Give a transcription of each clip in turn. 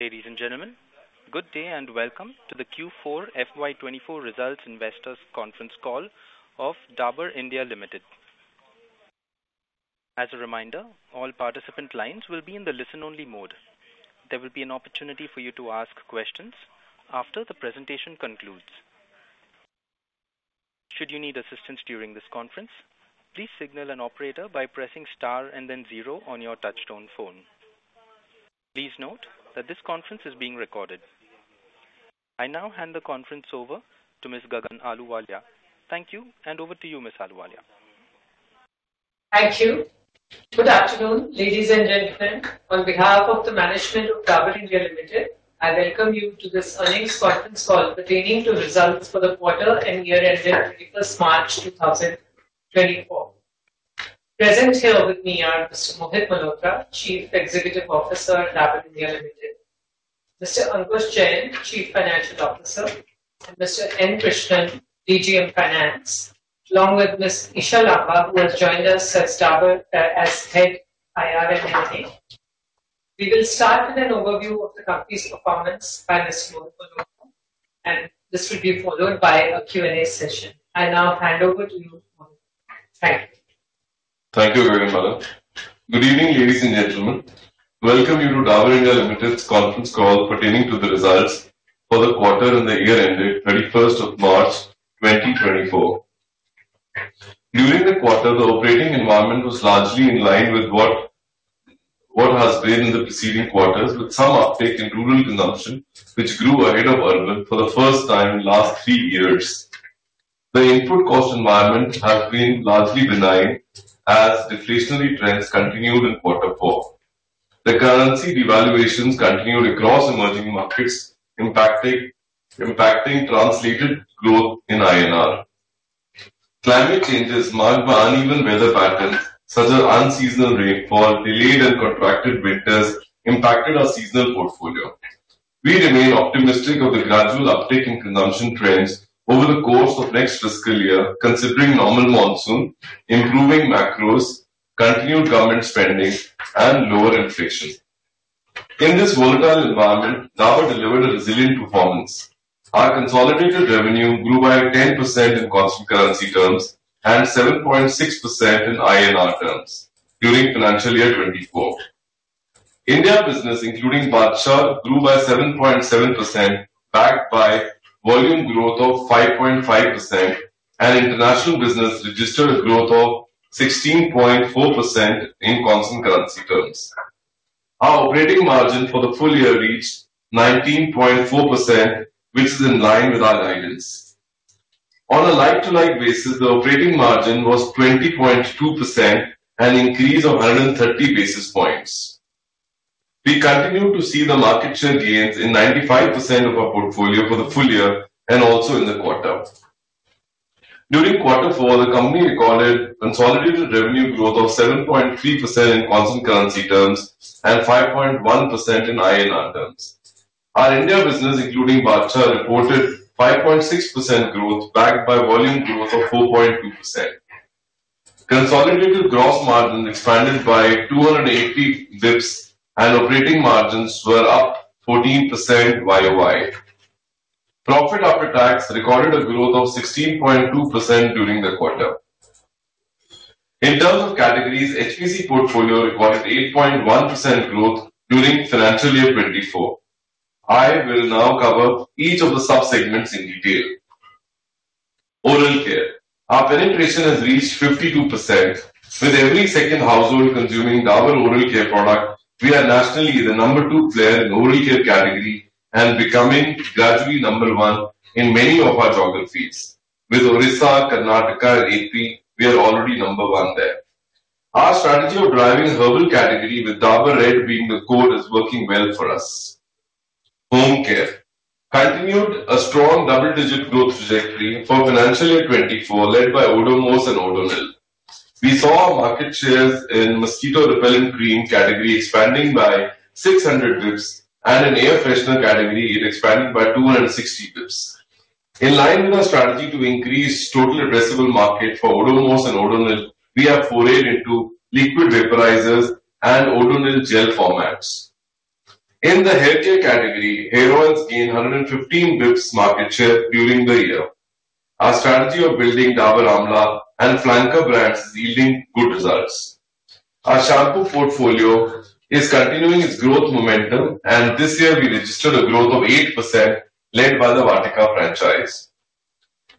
Ladies and gentlemen, good day and welcome to the Q4 FY 2024 Results Investors Conference Call of Dabur India Limited. As a reminder, all participant lines will be in the listen-only mode. There will be an opportunity for you to ask questions after the presentation concludes. Should you need assistance during this conference, please signal an operator by pressing star and then zero on your touchtone phone. Please note that this conference is being recorded. I now hand the conference over to Ms. Gagan Ahluwalia. Thank you, and over to you, Ms. Ahluwalia. Thank you. Good afternoon, ladies and gentlemen. On behalf of the management of Dabur India Limited, I welcome you to this earnings conference call pertaining to results for the quarter and year ended March 31, 2024. Present here with me are Mr. Mohit Malhotra, Chief Executive Officer, Dabur India Limited; Mr. Ankush Jain, Chief Financial Officer; and Mr. N. Krishnan, DGM Finance, along with Ms. Isha Lamba, who has joined us at Dabur, as Head, IR and FP. We will start with an overview of the company's performance by Mr. Mohit Malhotra, and this will be followed by a Q&A session. I now hand over to you, Mohit. Thank you. Thank you very much. Good evening, ladies and gentlemen. Welcome you to Dabur India Limited's conference call pertaining to the results for the quarter and the year ended 31st of March, 2024. During the quarter, the operating environment was largely in line with what has been in the preceding quarters, with some uptake in rural consumption, which grew ahead of urban for the first time in last three years. The input cost environment has been largely benign as deflationary trends continued in quarter four. The currency devaluations continued across emerging markets, impacting translated growth in INR. Climate changes marked by uneven weather patterns, such as unseasonal rainfall, delayed and contracted winters, impacted our seasonal portfolio. We remain optimistic of the gradual uptake in consumption trends over the course of next fiscal year, considering normal monsoon, improving macros, and lower inflation. In this volatile environment, Dabur delivered a resilient performance. Our consolidated revenue grew by 10% in constant currency terms and 7.6% in INR terms during financial year 2024. India business, including Badshah, grew by 7.7%, backed by volume growth of 5.5%, and international business registered a growth of 16.4% in constant currency terms. Our operating margin for the full year reached 19.4%, which is in line with our guidance. On a like-to-like basis, the operating margin was 20.2%, an increase of 130 basis points. We continue to see the market share gains in 95% of our portfolio for the full year and also in the quarter. During quarter four, the company recorded consolidated revenue growth of 7.3% in constant currency terms and 5.1% in INR terms. Our India business, including Badshah, reported 5.6% growth, backed by volume growth of 4.2%. Consolidated gross margin expanded by 280 basis points, and operating margins were up 14% year-over-year. Profit after tax recorded a growth of 16.2% during the quarter. In terms of categories, FMCG portfolio recorded 8.1% growth during financial year 2024. I will now cover each of the sub-segments in detail. Oral care. Our penetration has reached 52%, with every second household consuming Dabur oral care product, we are nationally the number two player in oral care category and becoming gradually number one in many of our geographies. With Odisha, Karnataka, and AP, we are already number one there. Our strategy of driving herbal category, with Dabur Red being the core, is working well for us. Home care continued a strong double-digit growth trajectory for financial year 2024, led by Odomos and Odonil. We saw our market shares in mosquito repellent cream category expanding by 600 basis points, and in air freshener category, it expanded by 260 basis points. In line with our strategy to increase total addressable market for Odomos and Odonil, we have forayed into liquid vaporizers and Odonil gel formats. In the hair care category, Hair Oil gained 115 basis points market share during the year. Our strategy of building Dabur Amla and flanker brands is yielding good results. Our shampoo portfolio is continuing its growth momentum, and this year we registered a growth of 8%, led by the Vatika franchise.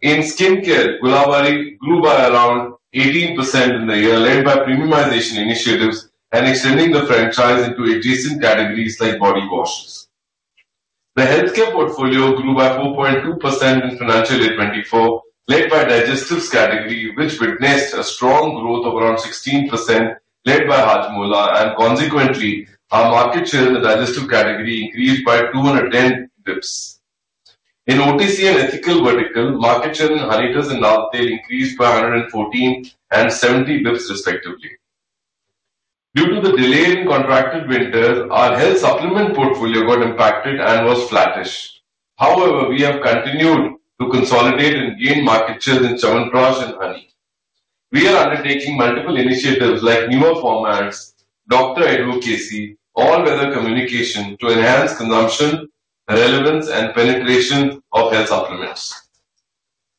In skin care, Gulabari grew by around 18% in the year, led by premiumization initiatives and extending the franchise into adjacent categories like body washes. The healthcare portfolio grew by 4.2% in financial year 2024, led by Digestives category, which witnessed a strong growth of around 16%, led by Hajmola, and consequently, our market share in the Digestive category increased by 210 basis points. In OTC and ethical vertical, market share in Haridra and Lal Tail increased by 114 and 70 basis points, respectively. Due to the delay in contracted winter, our health supplement portfolio got impacted and was flattish. However, we have continued to consolidate and gain market share in Chyawanprash and Honey. We are undertaking multiple initiatives like newer formats, doctor advocacy, all-weather communication to enhance consumption, relevance, and penetration of health supplements.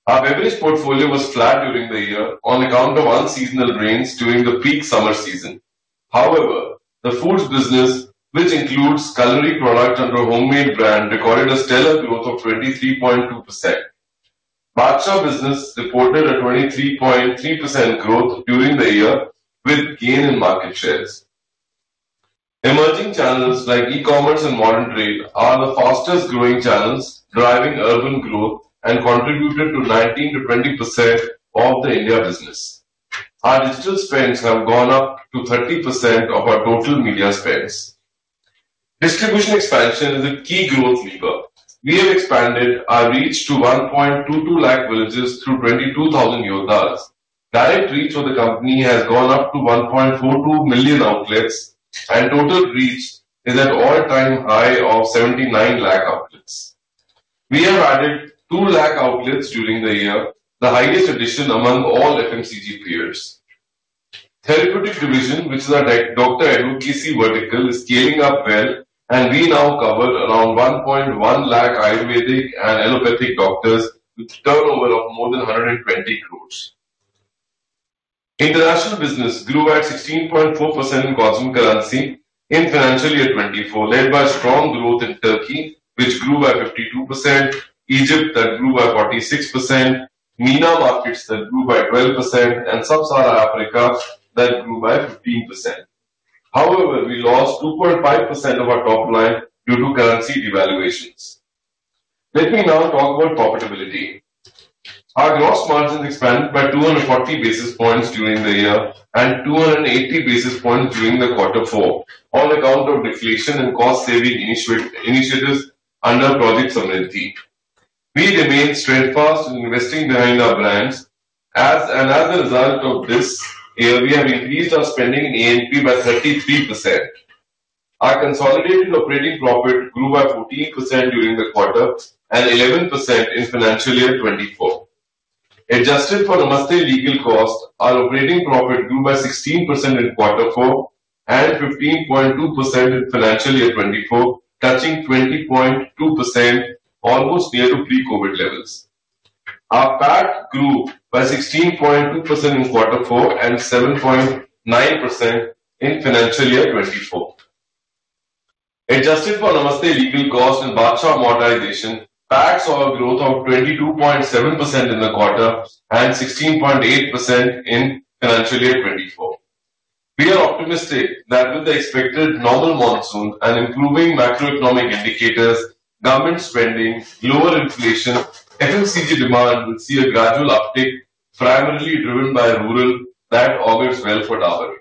Our beverage portfolio was flat during the year on account of unseasonal rains during the peak summer season. However, the foods business, which includes culinary product under our Hommade brand, recorded a stellar growth of 23.2%. Badshah business reported a 23.3% growth during the year, with gain in market shares. Emerging channels like e-commerce and modern trade are the fastest growing channels, driving urban growth and contributed to 19%-20% of the India business. Our digital spends have gone up to 30% of our total media spends. Distribution expansion is a key growth lever. We have expanded our reach to 1.22 lakh villages through 22,000 Yodhas. Direct reach of the company has gone up to 1.42 million outlets, and total reach is at all-time high of 79 lakh outlets. We have added 200,000 outlets during the year, the highest addition among all FMCG peers. Therapeutic division, which is our doctor advocacy vertical, is scaling up well, and we now cover around 110,000 Ayurvedic and allopathic doctors, with turnover of more than 120 crore. International business grew at 16.4% in constant currency in financial year 2024, led by strong growth in Turkey, which grew by 52%, Egypt that grew by 46%, MENA markets that grew by 12%, and Sub-Saharan Africa that grew by 15%. However, we lost 2.5% of our top line due to currency devaluations. Let me now talk about profitability. Our gross margins expanded by 240 basis points during the year and 280 basis points during the Quarter Four, on account of deflation and cost-saving initiatives under Project Samruddhi. We remain steadfast in investing behind our brands, as, and as a result this year, we have increased our spending in A&P by 33%. Our consolidated operating profit grew by 14% during the quarter and 11% in financial year 2024. Adjusted for Namaste legal costs, our operating profit grew by 16% in Quarter Four and 15.2% in financial year 2024, touching 20.2%, almost near to pre-COVID levels. Our PAT grew by 16.2% in Quarter Four and 7.9% in financial year 2024. Adjusted for Namaste legal costs and Badshah monetization, PAT saw a growth of 22.7% in the quarter and 16.8% in financial year 2024. We are optimistic that with the expected normal monsoon and improving macroeconomic indicators, government spending, lower inflation, FMCG demand will see a gradual uptick, primarily driven by rural that augurs well for Dabur.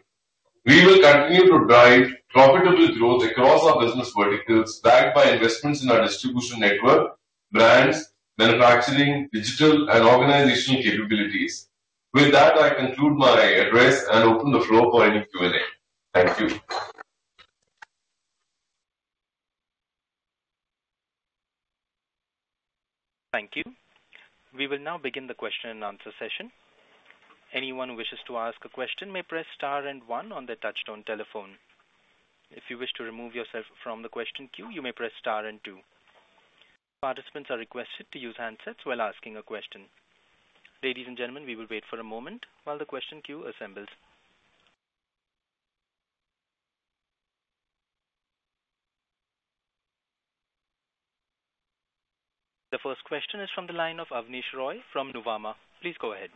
We will continue to drive profitable growth across our business verticals, backed by investments in our distribution network, brands, manufacturing, digital and organizational capabilities. With that, I conclude my address and open the floor for any Q&A. Thank you. Thank you. We will now begin the question and answer session. Anyone who wishes to ask a question may press star and one on their touchtone telephone. If you wish to remove yourself from the question queue, you may press star and two. Participants are requested to use handsets while asking a question. Ladies and gentlemen, we will wait for a moment while the question queue assembles. The first question is from the line of Avnish Roy from Nuvama. Please go ahead.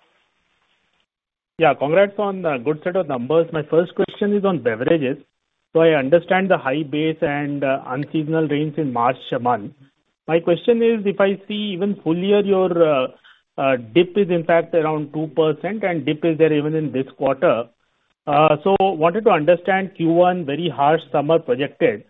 Yeah, congrats on the good set of numbers. My first question is on beverages. So I understand the high base and unseasonal rains in March month. My question is, if I see even full year, your dip is in fact around 2% and dip is there even in this quarter. So wanted to understand Q1, very harsh summer projected.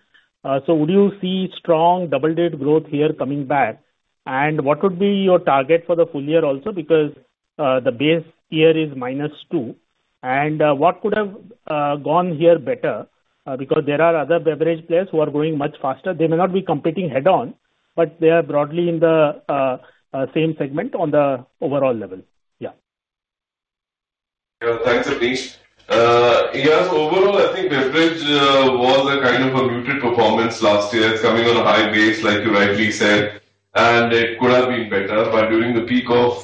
So would you see strong double-digit growth here coming back? And what would be your target for the full year also? Because the base here is -2%. And what could have gone here better? Because there are other beverage players who are growing much faster. They may not be competing head-on, but they are broadly in the same segment on the overall level. Yeah. Yeah. Thanks, Avnish. Yeah, so overall, I think beverage was a kind of a muted performance last year. It's coming on a high base, like you rightly said, and it could have been better. But during the peak of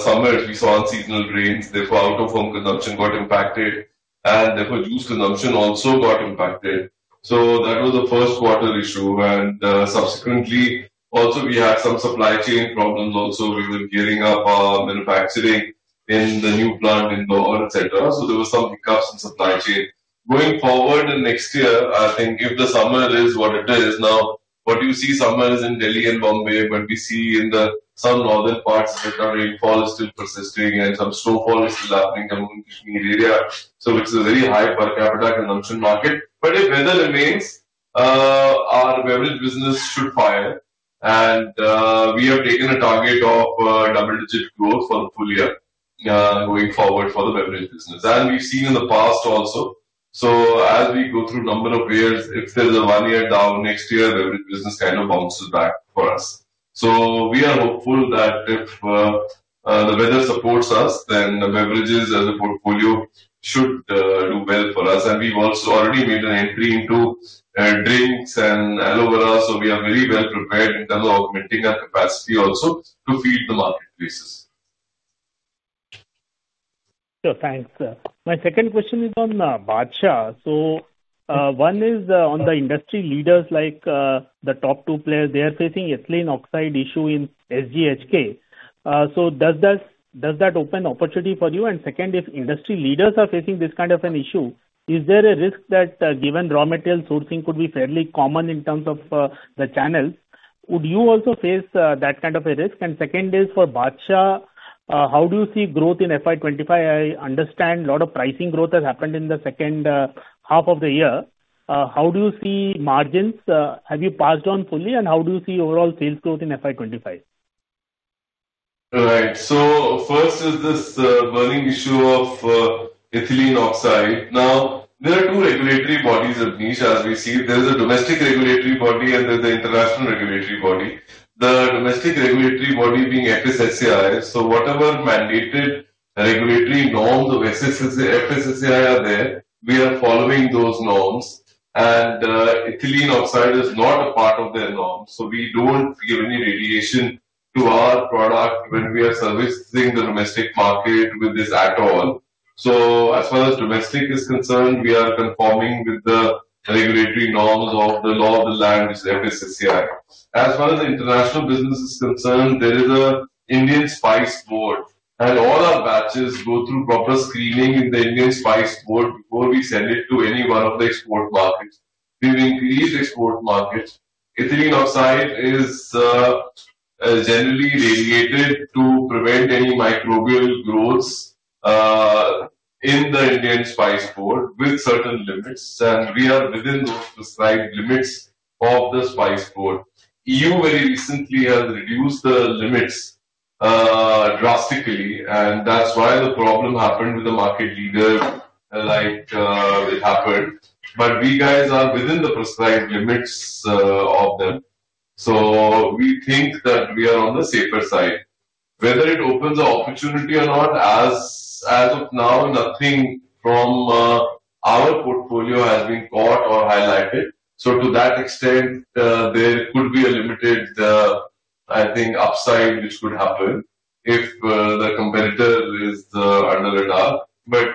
summer, we saw unseasonal rains, therefore, out-of-home consumption got impacted and therefore juice consumption also got impacted. So that was the first quarter issue, and subsequently, also we had some supply chain problems also. We were gearing up our manufacturing in the new plant in Indore, et cetera. So there were some hiccups in supply chain. Going forward in next year, I think if the summer is what it is now, what you see summer is in Delhi and Bombay, but we see in the some northern parts of the country, fall is still persisting and some snowfall is still happening in Kashmir area. So which is a very high per capita consumption market. But if weather remains, our beverage business should fire and we have taken a target of double-digit growth for the full year going forward for the beverage business. And we've seen in the past also. So as we go through number of years, if there's a one year down, next year, the business kind of bounces back for us. So we are hopeful that if the weather supports us, then the beverages as a portfolio should do well for us. And we've also already made an entry into drinks and aloe vera, so we are very well prepared in terms of augmenting our capacity also to feed the marketplaces. Sure. Thanks, sir. My second question is on Badshah. So, one is on the industry leaders like the top two players; they are facing ethylene oxide issue in SGHK. So does that open opportunity for you? And second, if industry leaders are facing this kind of an issue, is there a risk that given raw material sourcing could be fairly common in terms of the channels, would you also face that kind of a risk? And second is for Badshah, how do you see growth in FY 2025? I understand a lot of pricing growth has happened in the second half of the year. How do you see margins? Have you passed on fully, and how do you see overall sales growth in FY 2025? Right. So first is this, burning issue of, ethylene oxide. Now, there are two regulatory bodies, which, as we see it. There is a domestic regulatory body and there's the international regulatory body. The domestic regulatory body being FSSAI. So whatever mandated regulatory norms of FSSAI are there, we are following those norms, and, ethylene oxide is not a part of their norms. So we don't give any irradiation to our product when we are servicing the domestic market with this at all. So as far as domestic is concerned, we are conforming with the regulatory norms of the law of the land, which is FSSAI. As far as the international business is concerned, there is the Spices Board India, and all our batches go through proper screening in the Spices Board India before we send it to any one of the export markets. During these export markets, ethylene oxide is generally radiated to prevent any microbial growth in the Spices Board India with certain limits, and we are within those prescribed limits of the Spices Board. EU very recently has reduced the limits drastically, and that's why the problem happened with the market leader, like it happened. But we guys are within the prescribed limits of them. So we think that we are on the safer side. Whether it opens the opportunity or not, as of now, nothing from our portfolio has been caught or highlighted. So to that extent, there could be a limited, I think, upside, which could happen if the competitor is under the dark. But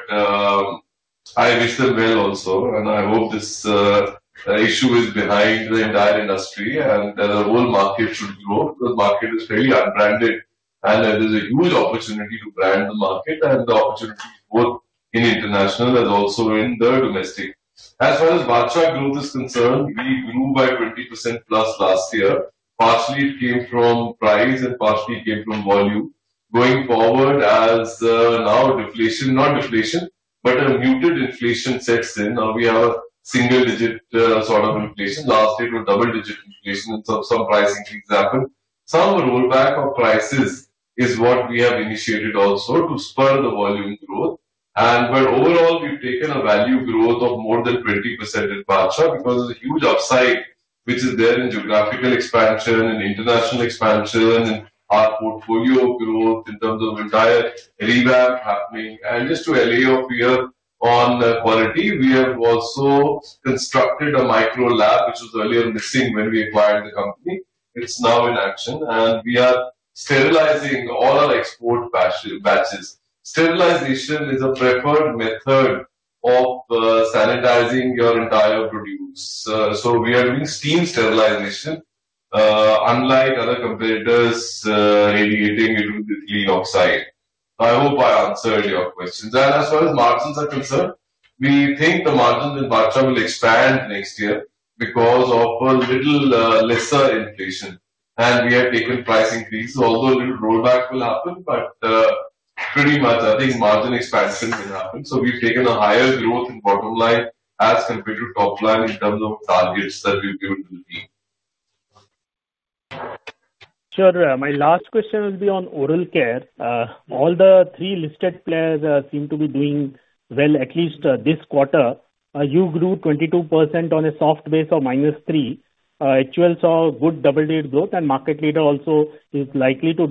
I wish them well also, and I hope this issue is behind the entire industry and the whole market should grow because market is fairly unbranded, and there is a huge opportunity to brand the market and the opportunity to grow in international and also in the domestic. As far as Badshah growth is concerned, we grew by 20%+ last year. Partially, it came from price and partially it came from volume. Going forward, as now deflation, not deflation, but a muted inflation sets in, now we have a single-digit, sort of inflation. Last year it was double-digit inflation, and so some pricing things happened. Some rollback of prices is what we have initiated also to spur the volume growth. Overall, we've taken a value growth of more than 20% in Badshah because there's a huge upside which is there in geographical expansion and international expansion and our portfolio growth in terms of entire revamp happening. And just to allay your fear on the quality, we have also constructed a micro lab, which was earlier missing when we acquired the company. It's now in action, and we are sterilizing all our export batches. Sterilization is a preferred method of sanitizing your entire produce. So we are doing steam sterilization, unlike other competitors, radiating into the ethylene oxide. I hope I answered your questions. And as far as margins are concerned, we think the margins in Badshah will expand next year because of a little lesser inflation, and we have taken price increase. Also, a little rollback will happen, but pretty much I think margin expansion will happen. So we've taken a higher growth in bottom line as compared to top line in terms of targets that we give to the team. Sure. My last question will be on oral care. All the three listed players seem to be doing well, at least this quarter. You grew 22% on a soft base of -3. HUL saw good double-digit growth, and market leader also is likely to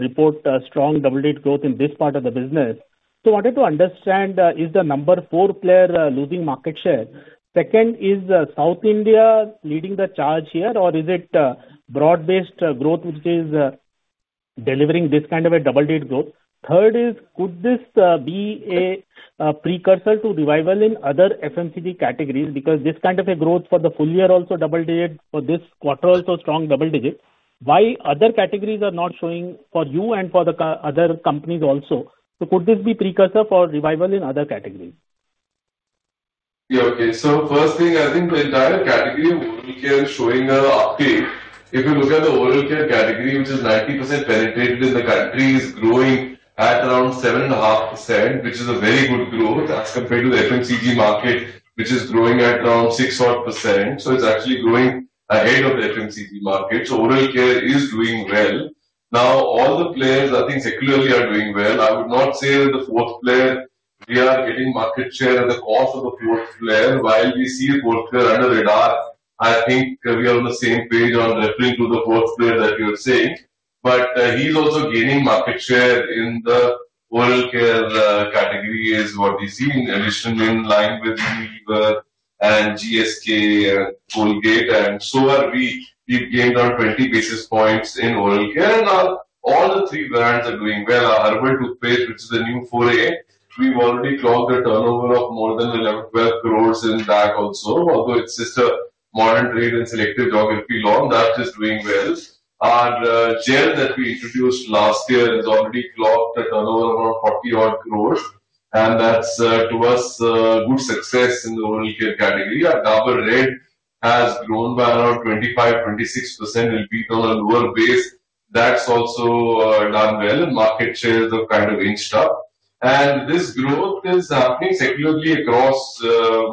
report a strong double-digit growth in this part of the business. So I wanted to understand, is the number four player losing market share? Second, is South India leading the charge here, or is it broad-based growth, which is delivering this kind of a double-digit growth? Third is, could this be a precursor to revival in other FMCG categories? Because this kind of a growth for the full year, also double digit, for this quarter, also strong double digits. Why other categories are not showing for you and for the other companies also? So could this be precursor for revival in other categories? Yeah, okay. So first thing, I think the entire category of oral care is showing an uptake. If you look at the oral care category, which is 90% penetrated in the country, is growing at around 7.5%, which is a very good growth as compared to the FMCG market, which is growing at around 6 odd %. So it's actually growing ahead of the FMCG market. So oral care is doing well. Now, all the players, I think, secularly are doing well. I would not say the fourth player, we are getting market share at the cost of the fourth player. While we see a fourth player under the radar, I think we are on the same page on referring to the fourth player that you're saying. But, he's also gaining market share in the oral care category, is what we see. In addition, in line with Unilever and GSK and Colgate, and so are we. We've gained around 20 basis points in oral care. Now, all the three brands are doing well. Our herbal toothpaste, which is the new foray, we've already clocked a turnover of more than 11 crore-12 crores in that also, although it's just a modern trade and selective grocery launch, that is doing well. Our gel that we introduced last year has already clocked a turnover of 40-odd crores, and that's to us, a good success in the oral care category. Our Dabur Red has grown by around 25%-26% in value and volume base. That's also done well, and market shares have kind of inched up. This growth is happening secularly across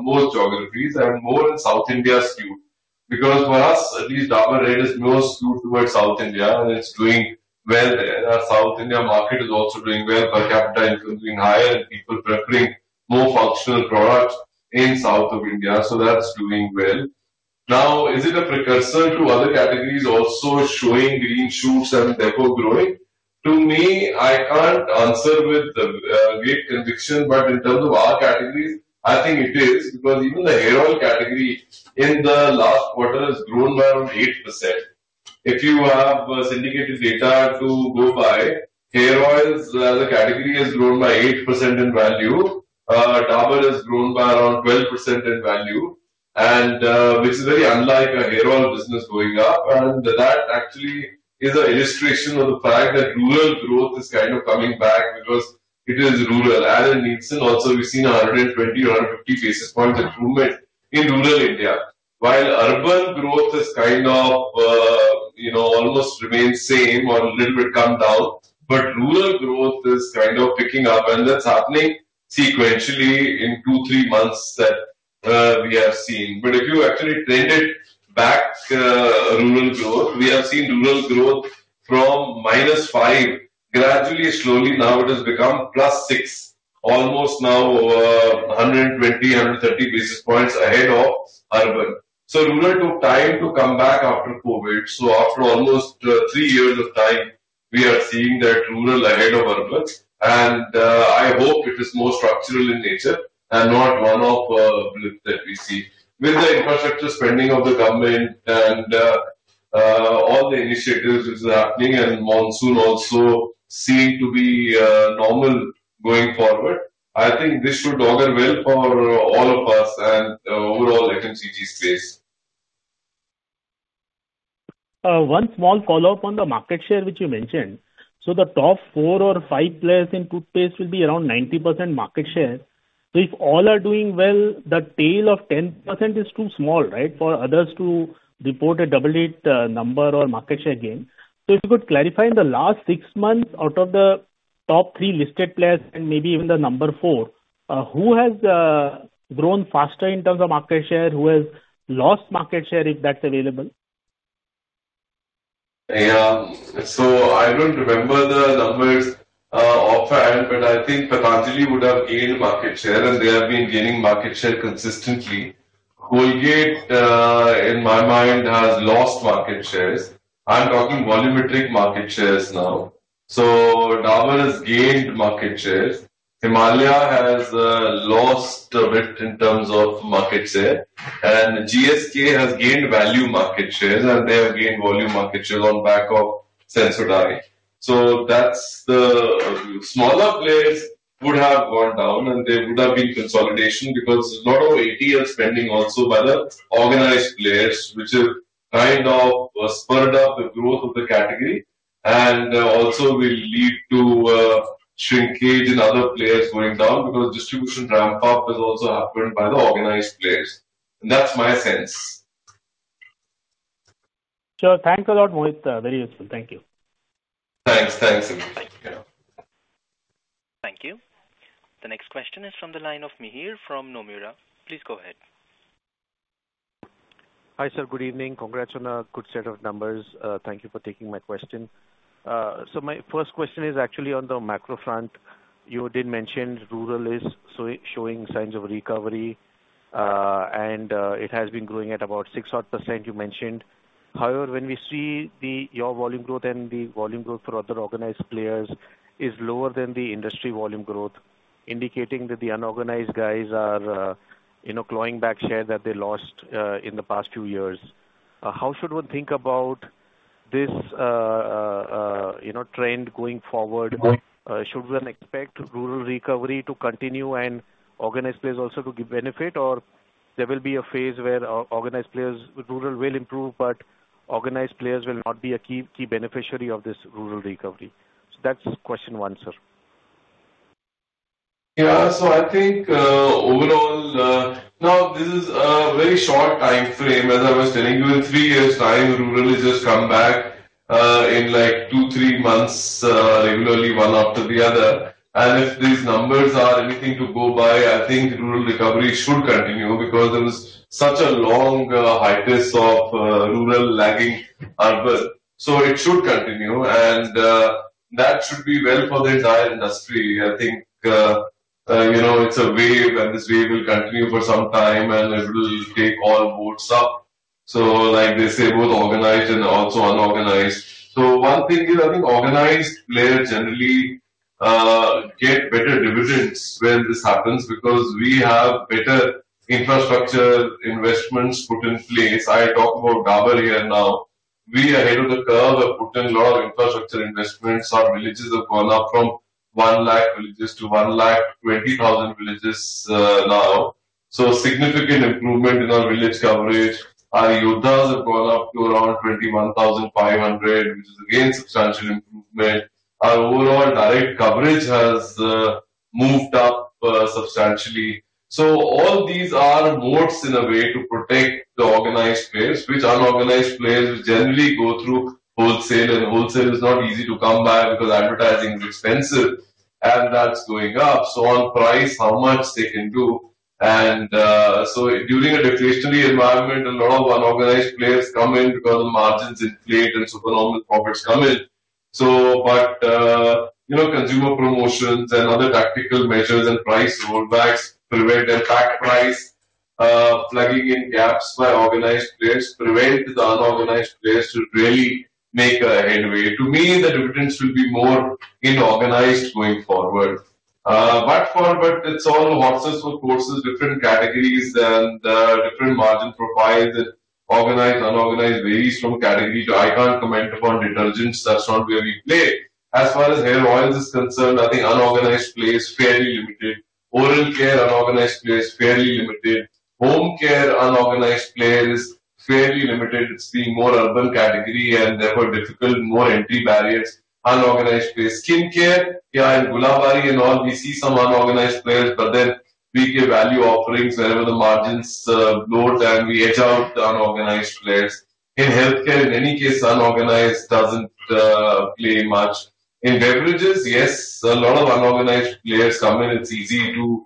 most geographies and more in South India skewed. Because for us, at least, Dabur Red is more skewed towards South India, and it's doing well there. Our South India market is also doing well, per capita income is being higher and people preferring more functional products in South India, so that's doing well. Now, is it a precursor to other categories also showing green shoots and therefore growing? To me, I can't answer with great conviction, but in terms of our categories, I think it is, because even the hair oil category in the last quarter has grown by around 8%. If you have syndicated data to go by, hair oils as a category has grown by 8% in value. Dabur has grown by around 12% in value, and which is very unlike a hair oil business going up. That actually is an illustration of the fact that rural growth is kind of coming back because it is rural. In Nielsen also, we've seen 120 or 150 basis points of movement in rural India. While urban growth is kind of, you know, almost remains same or a little bit calmed down, but rural growth is kind of picking up, and that's happening sequentially in two to three months that we have seen. But if you actually trend it back, rural growth, we have seen rural growth from -5, gradually, slowly, now it has become +6, almost now, 120-130 basis points ahead of urban. So rural took time to come back after COVID. So after almost three years of time, we are seeing that rural ahead of urban. I hope it is more structural in nature and not one-off blip that we see. With the infrastructure spending of the government and all the initiatives is happening, and monsoon also seem to be normal going forward, I think this should augur well for all of us and overall FMCG space. One small follow-up on the market share, which you mentioned. So the top four or five players in toothpaste will be around 90% market share. So if all are doing well, the tail of 10% is too small, right, for others to report a double-digit number or market share gain. So if you could clarify, in the last six months, out of the top three listed players and maybe even the number four, who has grown faster in terms of market share? Who has lost market share, if that's available? Yeah. So I don't remember the numbers offhand, but I think Patanjali would have gained market share, and they have been gaining market share consistently. Colgate in my mind has lost market shares. I'm talking volumetric market shares now. So Dabur has gained market shares. Himalaya has lost a bit in terms of market share, and GSK has gained value market shares, and they have gained volume market shares on back of Sensodyne. So that's the... Smaller players would have gone down, and there would have been consolidation because there's a lot of ATL spending also by the organized players, which have kind of spurred up the growth of the category, and also will lead to shrinkage in other players going down, because distribution ramp up is also happening by the organized players. And that's my sense. Sure. Thanks a lot, Mohit. Very useful. Thank you. Thanks. Thanks again. Thank you. Thank you. The next question is from the line of Mihir from Nomura. Please go ahead. Hi, sir. Good evening. Congrats on a good set of numbers. Thank you for taking my question. So my first question is actually on the macro front. You did mention rural is showing signs of recovery, and it has been growing at about six odd %, you mentioned. However, when we see your volume growth and the volume growth for other organized players is lower than the industry volume growth, indicating that the unorganized guys are, you know, clawing back share that they lost in the past two years. How should one think about this, you know, trend going forward? Mm-hmm. Should one expect rural recovery to continue and organized players also to benefit, or there will be a phase where organized players... Rural will improve, but organized players will not be a key, key beneficiary of this rural recovery? So that's question one, sir. Yeah. So I think, overall, now, this is a very short timeframe. As I was telling you, in three years' time, rural has just come back, in, like, two, three months, regularly, one after the other. And if these numbers are anything to go by, I think rural recovery should continue because there was such a long hiatus of, rural lagging urban. So it should continue, and, that should be well for the entire industry. I think, you know, it's a wave, and this wave will continue for some time, and it will take all boats up. So like they say, both organized and also unorganized. So one thing is, I think, organized players generally, get better dividends when this happens, because we have better infrastructure investments put in place. I talk about Dabur here now. We are ahead of the curve, have put in a lot of infrastructure investments. Our villages have gone up from 1 lakh villages to 1 lakh twenty thousand villages, now. So significant improvement in our village coverage. Our Yodhas have gone up to around 21,500, which is again, substantial improvement. Our overall direct coverage has, moved up, substantially. So all these are moats in a way to protect the organized players, which unorganized players generally go through wholesale, and wholesale is not easy to come by because advertising is expensive and that's going up. So on price, how much they can do. And, so during a deflationary environment, a lot of unorganized players come in because the margins inflate and supernormal profits come in. So but, you know, consumer promotions and other tactical measures and price rollbacks prevent their pack price plugging in gaps by organized players, prevent the unorganized players to really make a headway. To me, the dividends will be more in organized going forward. But forward, it's all horses for courses, different categories and, different margin profiles. Organized, unorganized varies from category to... I can't comment upon detergents. That's not where we play. As far as hair oils is concerned, I think unorganized players, fairly limited. Oral care, unorganized players, fairly limited. Home care, unorganized players, fairly limited. It's the more urban category and therefore difficult, more entry barriers. Unorganized players. Skin care, yeah, in Gulabari and all, we see some unorganized players, but then we give value offerings wherever the margins, load and we edge out the unorganized players. In healthcare, in any case, unorganized doesn't play much. In beverages, yes, a lot of unorganized players come in. It's easy to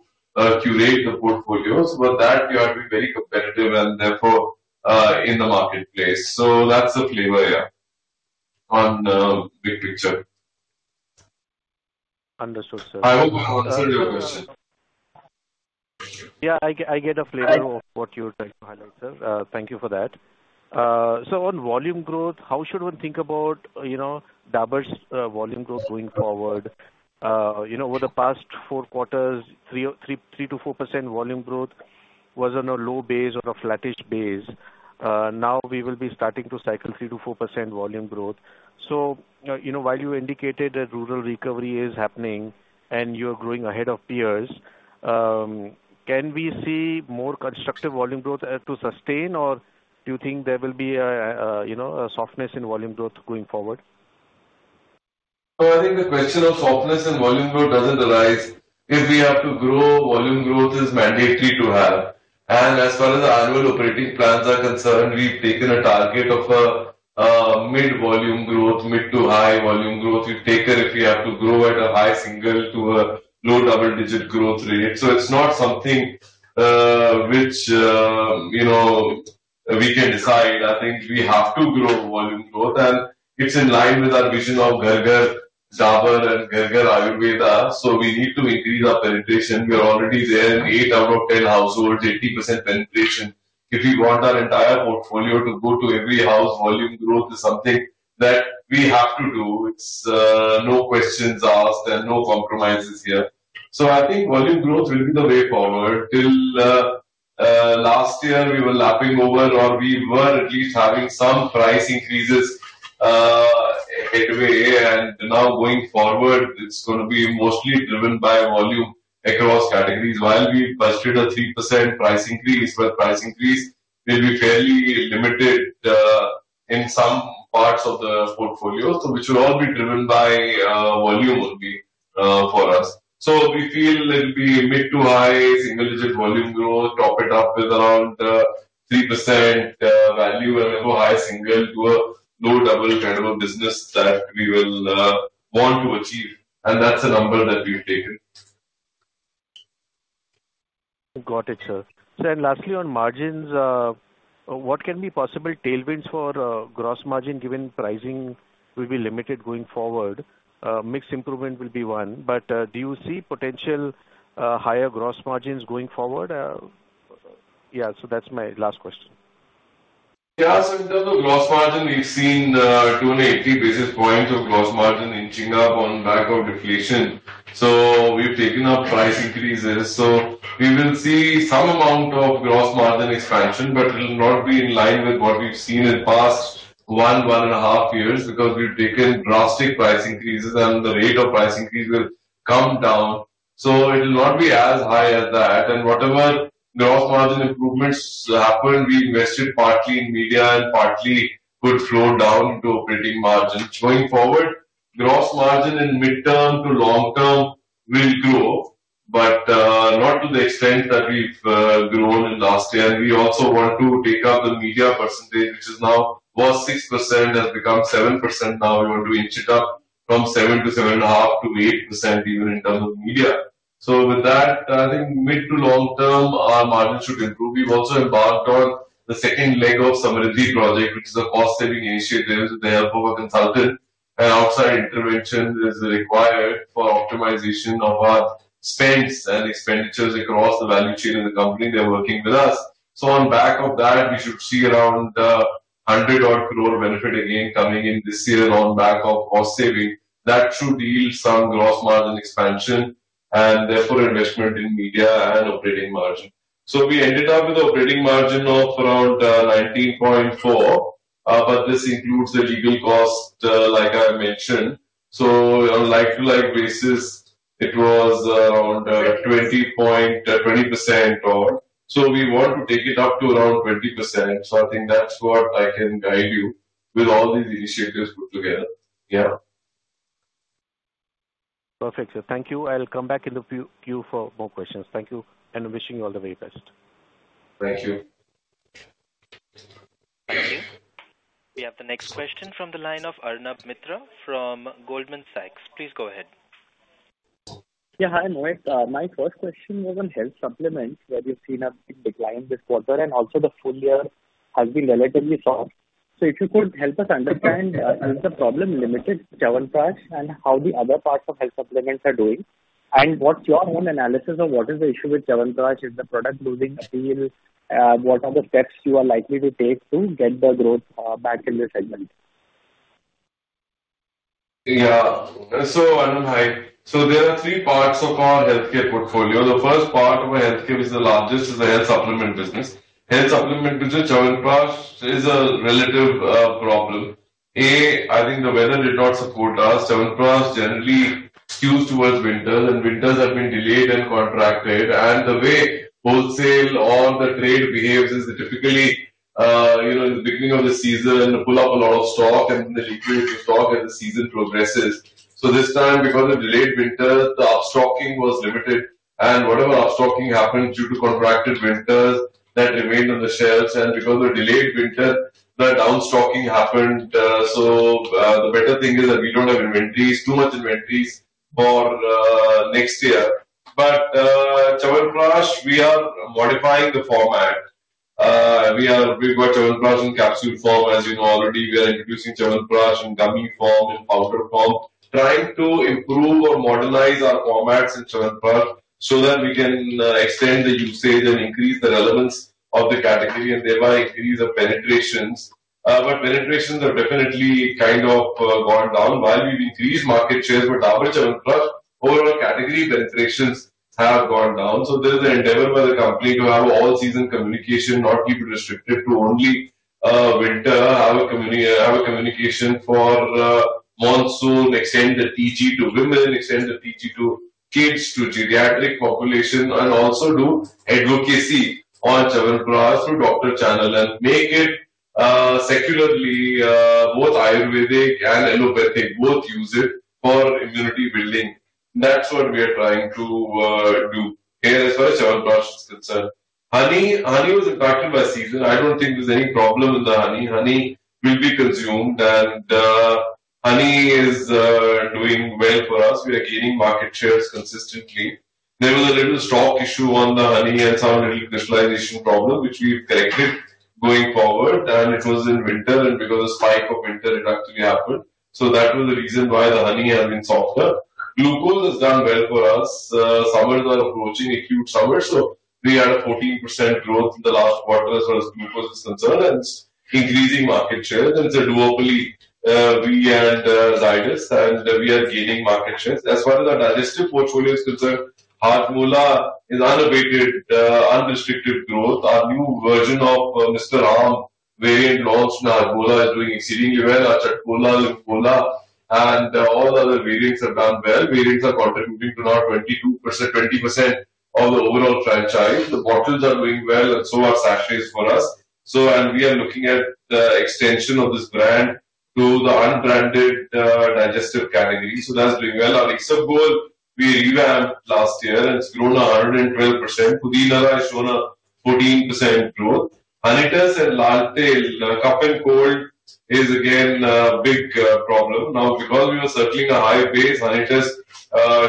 curate the portfolios, but that we have to be very competitive and therefore in the marketplace. So that's the flavor, yeah, on the big picture. Understood, sir. I hope I answered your question. Yeah, I get a flavor of what you're trying to highlight, sir. Thank you for that. So on volume growth, how should one think about, you know, Dabur's volume growth going forward? You know, over the past four quarters, 3%-4% volume growth was on a low base or a flattish base. Now we will be starting to cycle 3%-4% volume growth. So, you know, while you indicated that rural recovery is happening and you're growing ahead of peers, can we see more constructive volume growth to sustain? Or do you think there will be a softness in volume growth going forward? So I think the question of softness in volume growth doesn't arise. If we have to grow, volume growth is mandatory to have. And as far as the annual operating plans are concerned, we've taken a target of a mid-volume growth, mid to high volume growth. We've taken if we have to grow at a high single to a low double-digit growth rate. So it's not something, which, you know, we can decide. I think we have to grow volume growth, and it's in line with our vision of Ghar Ghar Dabur and Ghar Ghar Ayurveda, so we need to increase our penetration. We are already there in 8 out of 10 households, 80% penetration. If we want our entire portfolio to go to every house, volume growth is something that we have to do. It's no questions asked and no compromises here. So I think volume growth will be the way forward. Till last year, we were lapping over or we were at least having some price increases headway. Now going forward, it's going to be mostly driven by volume across categories. While we budgeted a 3% price increase, but price increase will be fairly limited in some parts of the portfolio. So which will all be driven by volume only for us. So we feel it'll be mid- to high single-digit volume growth, top it up with around 3% value and go high single- to low double-digit kind of a business that we will want to achieve, and that's a number that we've taken. Got it, sir. So then lastly, on margins, what can be possible tailwinds for gross margin, given pricing will be limited going forward? Mix improvement will be one, but do you see potential higher gross margins going forward? Yeah, so that's my last question. Yeah, so in terms of gross margin, we've seen 280 basis points of gross margin inching up on the back of deflation. So we've taken up price increases. So we will see some amount of gross margin expansion, but it will not be in line with what we've seen in past one, 1.5 years, because we've taken drastic price increases, and the rate of price increase will come down. So it will not be as high as that. And whatever gross margin improvements happen, we invest it partly in media and partly would flow down into operating margins. Going forward, gross margin in mid-term to long term will grow, but not to the extent that we've grown in last year. And we also want to take up the media percentage, which is now, was 6%, has become 7%. Now we want to inch it up from 7% to 7.5% to 8% even in terms of media. So with that, I think mid- to long-term, our margins should improve. We've also embarked on the second leg of Project Samruddhi, which is a cost-saving initiative with the help of a consultant, and outside intervention is required for optimization of our spends and expenditures across the value chain in the company. They're working with us. So on back of that, we should see around 100 crore benefit again coming in this year on back of cost saving. That should yield some gross margin expansion, and therefore, investment in media and operating margin. So we ended up with operating margin of around 19.4, but this includes the legal cost, like I mentioned. So on like-to-like basis, it was around 20.20%. So we want to take it up to around 20%. So I think that's what I can guide you with all these initiatives put together. Yeah. Perfect, sir. Thank you. I'll come back in the queue for more questions. Thank you, and wishing you all the very best. Thank you. We have the next question from the line of Arnab Mitra from Goldman Sachs. Please go ahead. Yeah. Hi, Mohit. My first question was on health supplements, where we've seen a big decline this quarter, and also the full year has been relatively soft. So if you could help us understand, is the problem limited to Chyawanprash, and how the other parts of health supplements are doing? And what's your own analysis of what is the issue with Chyawanprash? Is the product losing appeal? What are the steps you are likely to take to get the growth back in this segment? Yeah. So, Arnab, hi. So there are three parts of our healthcare portfolio. The first part of our healthcare is the largest, is the health supplement business. Health supplement business, Chyawanprash, is a relative problem. I think the weather did not support us. Chyawanprash generally skews towards winters, and winters have been delayed and contracted, and the way wholesale or the trade behaves is typically, you know, in the beginning of the season, they pull up a lot of stock and they liquidate the stock as the season progresses. So this time, because of delayed winter, the upstocking was limited, and whatever upstocking happened due to contracted winters, that remained on the shelves, and because of delayed winter, the downstocking happened. So, the better thing is that we don't have inventories, too much inventories for next year. But, Chyawanprash, we are modifying the format. We've got Chyawanprash in capsule form, as you know already. We are introducing Chyawanprash in gummy form, in powder form, trying to improve or modernize our formats in Chyawanprash so that we can extend the usage and increase the relevance of the category, and thereby increase the penetrations. But penetrations have definitely kind of gone down. While we've increased market shares with our Chyawanprash, overall category penetrations have gone down. So there's an endeavor by the company to have all season communication, not keep it restricted to only winter. Have a communication for monsoon, extend the TG to women, extend the TG to kids, to geriatric population, and also do advocacy on Chyawanprash through doctor channel and make it secularly both Ayurvedic and Allopathic, both use it for immunity building. That's what we are trying to do here as far as Chyawanprash is concerned. Honey, honey was impacted by season. I don't think there's any problem with the honey. Honey will be consumed, and honey is doing well for us. We are gaining market shares consistently. There was a little stock issue on the honey and some little crystallization problem, which we've corrected going forward, and it was in winter, and because of spike of winter, it actually happened. So that was the reason why the honey has been softer. Glucose has done well for us. Summers are approaching, acute summer, so we had a 14% growth in the last quarter as far as glucose is concerned, and it's increasing market share. It's a duopoly, we and Zydus, and we are gaining market shares. As far as our digestive portfolio is concerned, Hajmola is unabated, unrestricted growth. Our new version of Mr. Imli variant launched in Hajmola is doing exceedingly well. Our Chatcola, Limcola, and all the other variants have done well. Variants are contributing to about 22%, 20% of the overall franchise. The bottles are doing well and so are sachets for us. So and we are looking at the extension of this brand to the unbranded digestive category, so that's doing well. Our Isabgol, we revamped last year, and it's grown 112%. Pudin Hara has shown a 14% growth. Honitus and Lal Tail, cough and cold is again a big problem. Now, because we were circling a high base, Honitus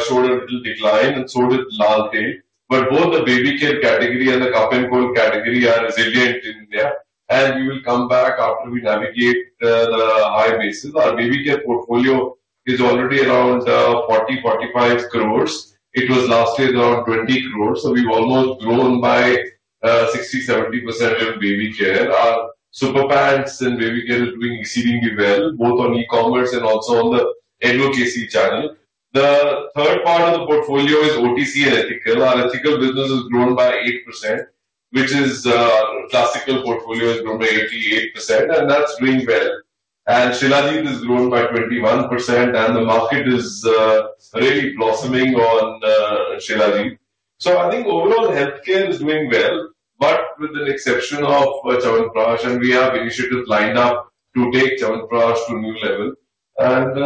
showed a little decline, and so did Lal Tail. But both the baby care category and the cough and cold category are resilient in India, and we will come back after we navigate the high bases. Our baby care portfolio is already around 40 crore-45 crore. It was last year around 20 crore, so we've almost grown by 60%-70% in baby care. Our Super Pants and baby care is doing exceedingly well, both on e-commerce and also on the advocacy channel. The third part of the portfolio is OTC and ethical. Our ethical business has grown by 8%, which is classical portfolio has grown by 88%, and that's doing well. Shilajit has grown by 21%, and the market is really blossoming on Shilajit. So I think overall, healthcare is doing well, but with an exception of Chyawanprash, and we have initiatives lined up to take Chyawanprash to a new level.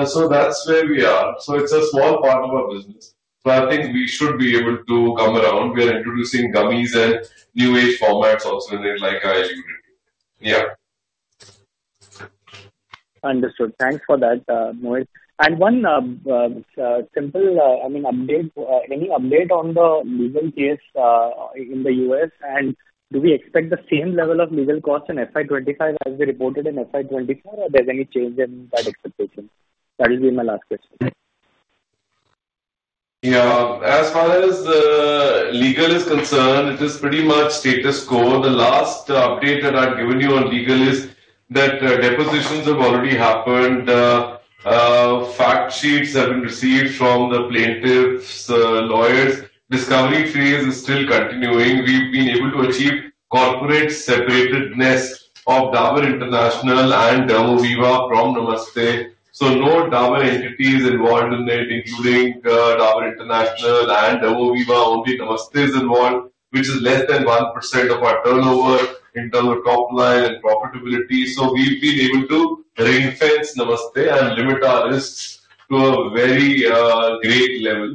So that's where we are. So it's a small part of our business, but I think we should be able to come around. We are introducing gummies and new age formats also in it, like I alluded to. Yeah. Understood. Thanks for that, Mohit. And one simple, I mean, update, any update on the legal case in the US? And do we expect the same level of legal costs in FY 2025 as we reported in FY 2024, or there's any change in that expectation? That will be my last question. Yeah. As far as legal is concerned, it is pretty much status quo. The last update that I've given you on legal is that depositions have already happened, fact sheets have been received from the plaintiffs' lawyers. Discovery phase is still continuing. We've been able to achieve corporate separatedness of Dabur International and Dermoviva from Namaste. So no Dabur entity is involved in it, including Dabur International and Dermoviva, only Namaste is involved, which is less than 1% of our turnover in terms of top line and profitability. So we've been able to ring-fence Namaste and limit our risks to a very great level.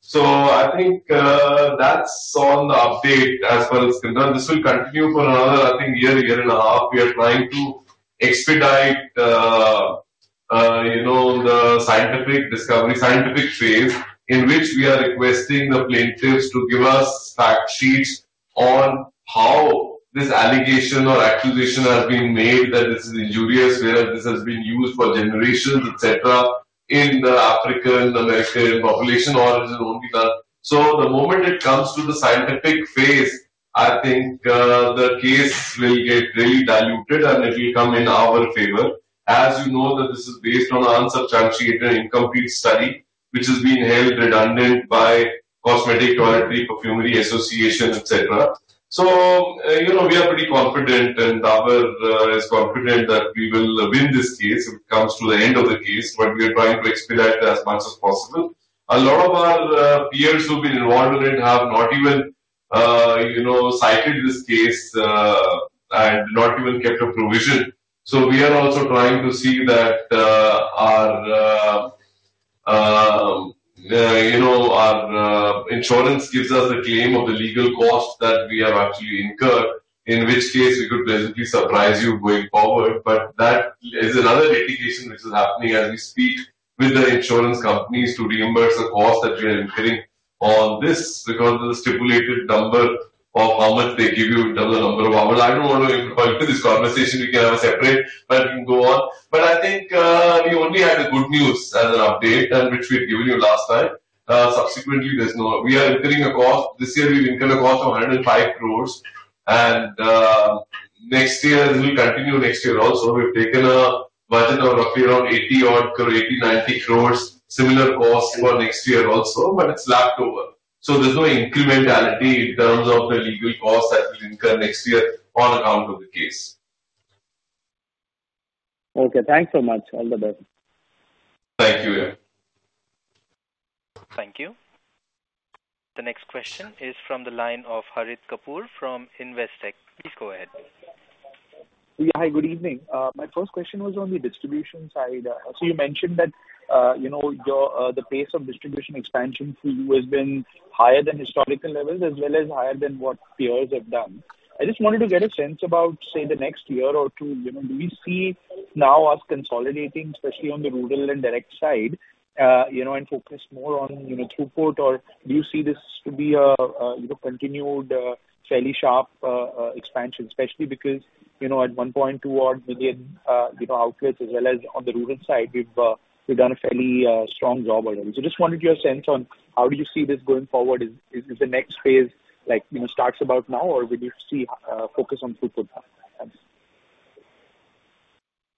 So I think that's on the update as far as this is concerned. This will continue for another, I think, year, year and a half. We are trying to expedite, you know, the scientific discovery, scientific phase, in which we are requesting the plaintiffs to give us fact sheets on how this allegation or accusation has been made, that this is injurious, where this has been used for generations, et cetera, in the African American population origins only done. So the moment it comes to the scientific phase, I think, the case will get really diluted, and it will come in our favor. As you know, that this is based on an unsubstantiated, incomplete study, which has been held redundant by cosmetic, toiletry, perfumery, associations, et cetera. So, you know, we are pretty confident, and Dabur is confident that we will win this case if it comes to the end of the case, but we are trying to expedite as much as possible. A lot of our peers who've been involved in it have not even, you know, cited this case, and not even kept a provision. So we are also trying to see that, you know, our insurance gives us a claim of the legal costs that we have actually incurred, in which case we could pleasantly surprise you going forward. But that is another litigation which is happening as we speak with the insurance companies to reimburse the cost that we are incurring on this, because of the stipulated number of how much they give you in terms of number of... Well, I don't want to get into this conversation. We can have a separate, but it can go on. But I think, we only had a good news as an update, and which we had given you last time. Subsequently, there is no. We are incurring a cost. This year, we've incurred a cost of 105 crores, and next year, this will continue next year also. We've taken a budget of roughly around 80-odd to 80 crores-90 crores, similar costs for next year also, but it's lapped over. So there is no incrementality in terms of the legal costs that we'll incur next year on account of the case. Okay, thanks so much. All the best. Thank you, yeah. Thank you. The next question is from the line of Harit Kapoor from Investec. Please go ahead. Yeah, hi, good evening. My first question was on the distribution side. So you mentioned that, you know, your, the pace of distribution expansion for you has been higher than historical levels as well as higher than what peers have done. I just wanted to get a sense about, say, the next year or two. You know, do we see now as consolidating, especially on the rural and direct side, you know, and focus more on, you know, throughput? Or do you see this to be a, you know, continued, fairly sharp, expansion, especially because, you know, at one point towards 1 million, you know, outlets as well as on the rural side, you've, you've done a fairly, strong job already. So just wanted your sense on how do you see this going forward. Is the next phase, like, you know, starts about now, or we need to see focus on throughput? Thanks.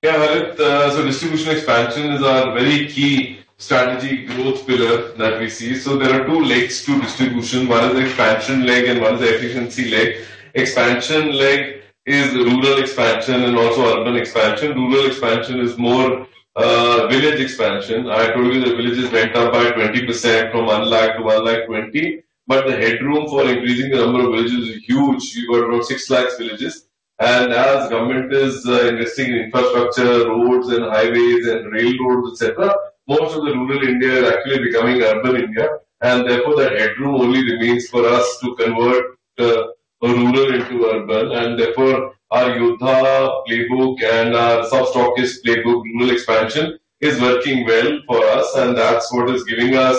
Yeah, Harit, so distribution expansion is our very key strategy growth pillar that we see. So there are two legs to distribution. One is the expansion leg, and one is the efficiency leg. Expansion leg is rural expansion and also urban expansion. Rural expansion is more, village expansion. I told you the villages went up by 20% from 100,000 to 120,000, but the headroom for increasing the number of villages is huge. You've got around 600,000 villages, and as government is, investing in infrastructure, roads and highways and railroads, et cetera, most of the rural India is actually becoming urban India. Therefore, the headroom only remains for us to convert, rural into urban, and therefore, our Yodhas playbook and our self-stockist playbook, rural expansion, is working well for us, and that's what is giving us,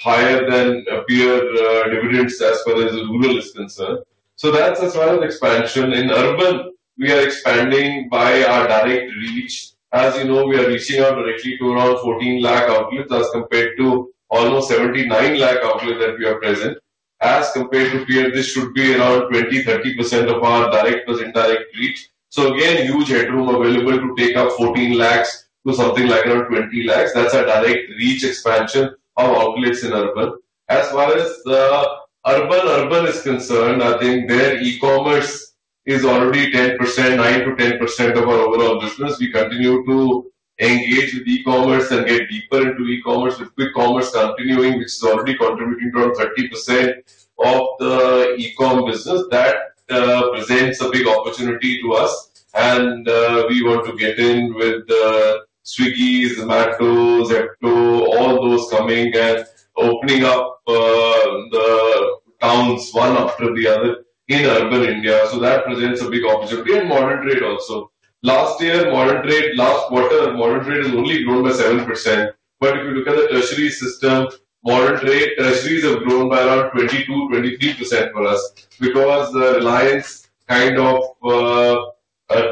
higher than peer, dividends as far as rural is concerned. So that's as far as expansion. In urban, we are expanding by our direct reach. As you know, we are reaching out directly to around 14 lakh outlets, as compared to almost 79 lakh outlets that we have present. As compared to peer, this should be around 20-30% of our direct plus indirect reach. So again, huge headroom available to take up 14 lakhs to something like around 20 lakhs. That's our direct reach expansion of outlets in urban. As far as the urban-urban is concerned, I think their e-commerce is already 10%, 9%-10% of our overall business. We continue to engage with e-commerce and get deeper into e-commerce, with quick commerce continuing, which is already contributing around 30% of the e-com business. That presents a big opportunity to us, and we want to get in with the Swiggy, Zomato, Zepto, all those coming and opening up towns, one after the other in urban India, so that presents a big opportunity in modern trade also. Last year, modern trade, last quarter, modern trade has only grown by 7%. But if you look at the tertiary system, modern trade, tertiaries have grown by around 22%-23% for us. Because the Reliance kind of,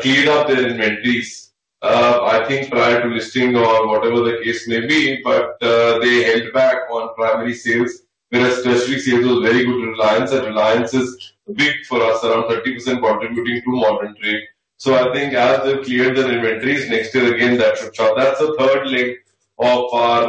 cleared up their inventories, I think prior to listing or whatever the case may be, but, they held back on primary sales. Whereas tertiary sales was very good in Reliance, and Reliance is big for us, around 30% contributing to modern trade. So I think as they clear their inventories next year, again, that should show. That's the third leg of our,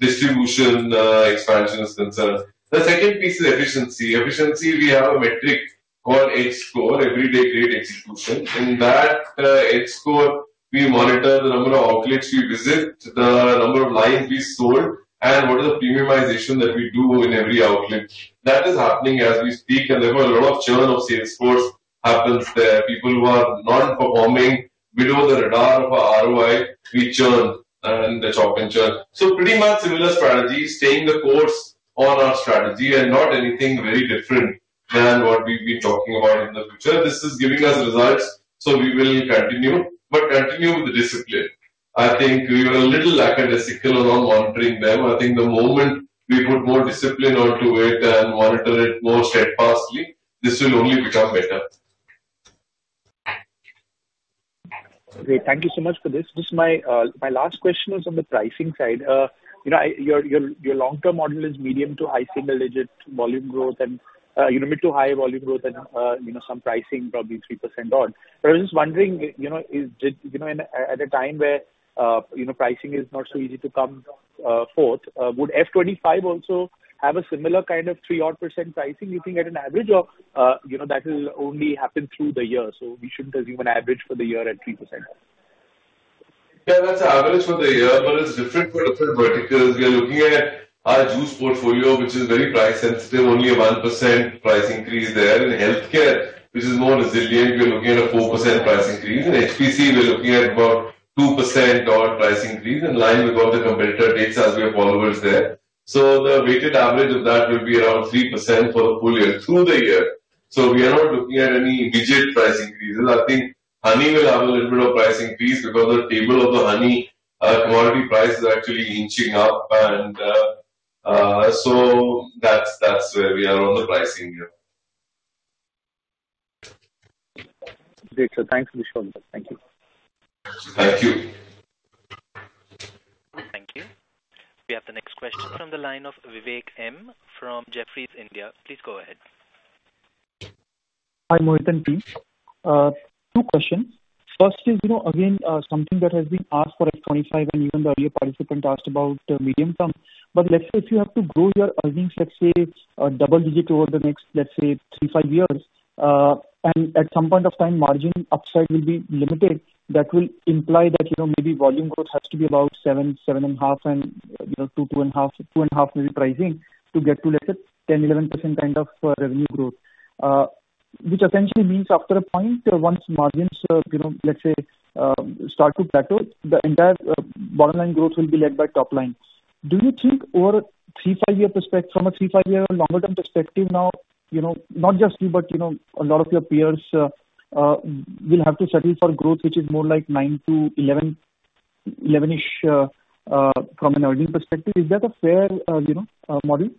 distribution, expansion is concerned. The second piece is efficiency. Efficiency, we have a metric called EDGE score, everyday great execution. In that, EDGE score, we monitor the number of outlets we visit, the number of lines we sold, and what is the premiumization that we do in every outlet. That is happening as we speak, and therefore, a lot of churn of sales force happens there. People who are not performing below the radar of our ROI, we churn, and they're chopped and churned. So pretty much similar strategy, staying the course on our strategy and not anything very different than what we've been talking about in the future. This is giving us results, so we will continue, but continue with the discipline. I think we were a little lackadaisical around monitoring them. I think the moment we put more discipline onto it and monitor it more steadfastly, this will only become better. Great. Thank you so much for this. Just my, my last question is on the pricing side. You know, I-- your, your, your long-term model is medium to high single digit volume growth and, medium to high volume growth and, you know, some pricing, probably 3% odd. But I was just wondering, you know, is, you know, at a time where, you know, pricing is not so easy to come, forth, would FY 2025 also have a similar kind of 3% odd pricing, you think, at an average of, you know, that will only happen through the year, so we shouldn't assume an average for the year at 3%? Yeah, that's an average for the year, but it's different for different verticals. We are looking at our juice portfolio, which is very price sensitive, only a 1% price increase there. In healthcare, which is more resilient, we are looking at a 4% price increase. In HPC, we're looking at about 2% odd price increase in line with what the competitor takes as we are followers there. So the weighted average of that will be around 3% for the full year, through the year. So we are not looking at any double-digit price increases. I think honey will have a little bit of price increase because the staple of the honey commodity price is actually inching up and so that's, that's where we are on the pricing here. Great, sir. Thanks for showing us. Thank you. Thank you. Thank you. We have the next question from the line of Vivek Maheshwari from Jefferies. Please go ahead. Hi, Mohit and team. Two questions. First is, you know, again, something that has been asked for FY 2025 and even the earlier participant asked about the medium term. But let's say if you have to grow your earnings, let's say, double-digit over the next, let's say, three to five years, and at some point of time, margin upside will be limited, that will imply that, you know, maybe volume growth has to be about 7% to 7.5% and, you know, 2% to 2.5%, 2.5 maybe pricing, to get to, let's say, 10%-11% kind of revenue growth. Which essentially means after a point, once margins, you know, let's say, start to plateau, the entire bottom line growth will be led by top line. From a three year longer term perspective now, you know, not just you, but you know, a lot of your peers will have to settle for growth, which is more like 9% to 11%, 11%-ish, from an earnings perspective? Is that a fair, you know, model?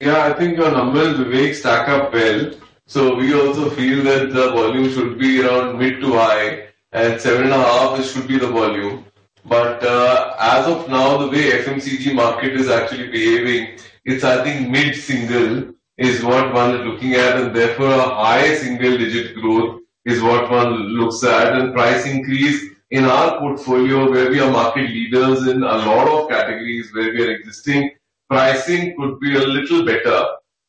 Yeah, I think your numbers, Vivek, stack up well. So we also feel that the volume should be around mid to high, and 7.5 should be the volume. But as of now, the way FMCG market is actually behaving, it's I think mid-single is what one is looking at, and therefore, a high single digit growth is what one looks at. And price increase in our portfolio, where we are market leaders in a lot of categories where we are existing, pricing could be a little better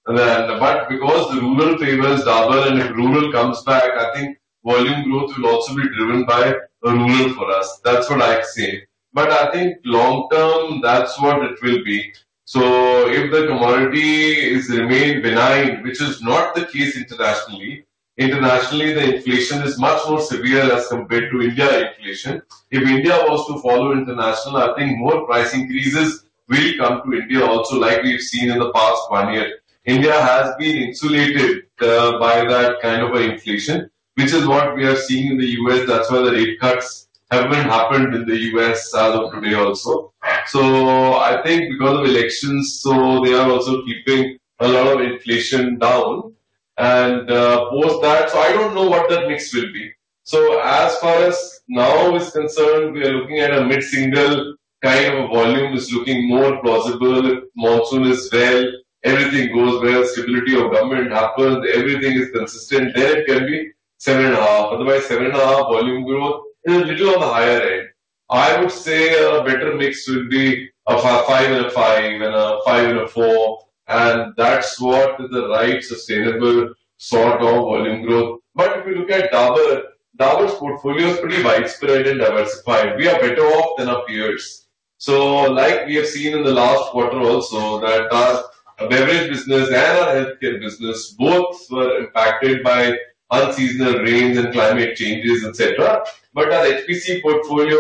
than... But because rural favors double, and if rural comes back, I think volume growth will also be driven by rural for us. That's what I have seen. But I think long term, that's what it will be. So if the commodity is remain benign, which is not the case internationally. Internationally, the inflation is much more severe as compared to India inflation. If India was to follow international, I think more price increases will come to India also, like we've seen in the past one year. India has been insulated by that kind of a inflation, which is what we are seeing in the U.S. That's why the rate cuts haven't happened in the U.S. as of today also. So I think because of elections, so they are also keeping a lot of inflation down and post that, so I don't know what that mix will be. So as far as now is concerned, we are looking at a mid-single kind of volume is looking more possible. If monsoon is well, everything goes well, stability of government happens, everything is consistent, then it can be 7.5. Otherwise, 7.5 volume growth is a little on the higher end. I would say a better mix would be a five and a five and a five and a four, and that's what is the right, sustainable sort of volume growth. But if you look at Dabur, Dabur's portfolio is pretty widespread and diversified. We are better off than our peers. So like we have seen in the last quarter also, that our beverage business and our healthcare business, both were impacted by unseasonal rains and climate changes, et cetera. But our HPC portfolio,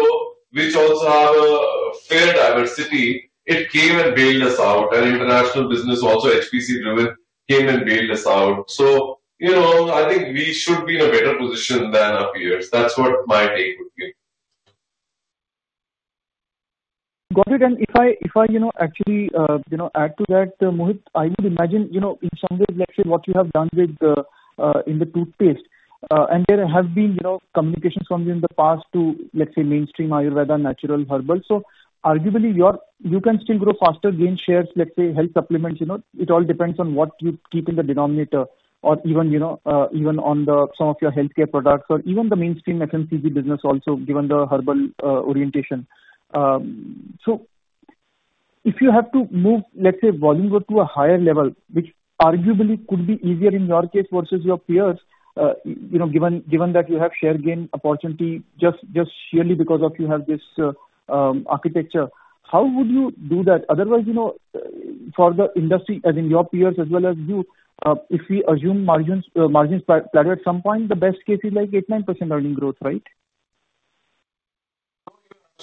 which also have a fair diversity, it came and bailed us out, and international business, also HPC driven, came and bailed us out. So, you know, I think we should be in a better position than our peers. That's what my take would be. Got it. If I, if I, you know, actually, you know, add to that, Mohit, I would imagine, you know, in some ways, let's say, what you have done with the, in the toothpaste, and there have been, you know, communications from you in the past to, let's say, mainstream Ayurveda, natural herbal. Arguably, you are, you can still grow faster, gain shares, let's say, health supplements, you know, it all depends on what you keep in the denominator or even, you know, even on the some of your healthcare products or even the mainstream FMCG business also, given the herbal, orientation. So if you have to move, let's say, volume growth to a higher level, which arguably could be easier in your case versus your peers, you know, given that you have share gain opportunity, just purely because of you have this architecture, how would you do that? Otherwise, you know, for the industry, as in your peers as well as you, if we assume margins plateau at some point, the best case is like 8%-9% earnings growth, right?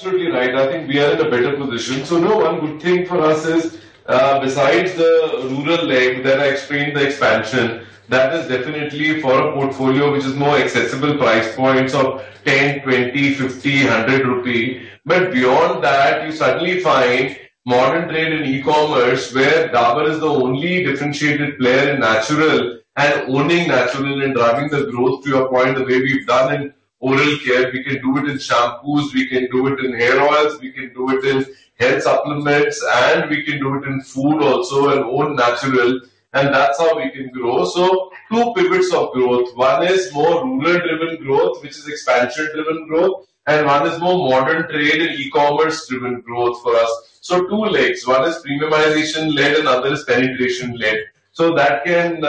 You're absolutely right. I think we are in a better position. So, no, one good thing for us is, besides the rural leg that I explained, the expansion, that is definitely for a portfolio which is more accessible price points of 10, 20, 50, 100 rupee. But beyond that, you suddenly find modern trade and e-commerce, where Dabur is the only differentiated player in natural and owning natural and driving the growth, to your point, the way we've done in oral care, we can do it in shampoos, we can do it in hair oils, we can do it in health supplements, and we can do it in food also and own natural, and that's how we can grow. So two pivots of growth. One is more rural-driven growth, which is expansion-driven growth, and one is more modern trade and e-commerce-driven growth for us. So two legs, one is premiumization leg and another is penetration leg. So that can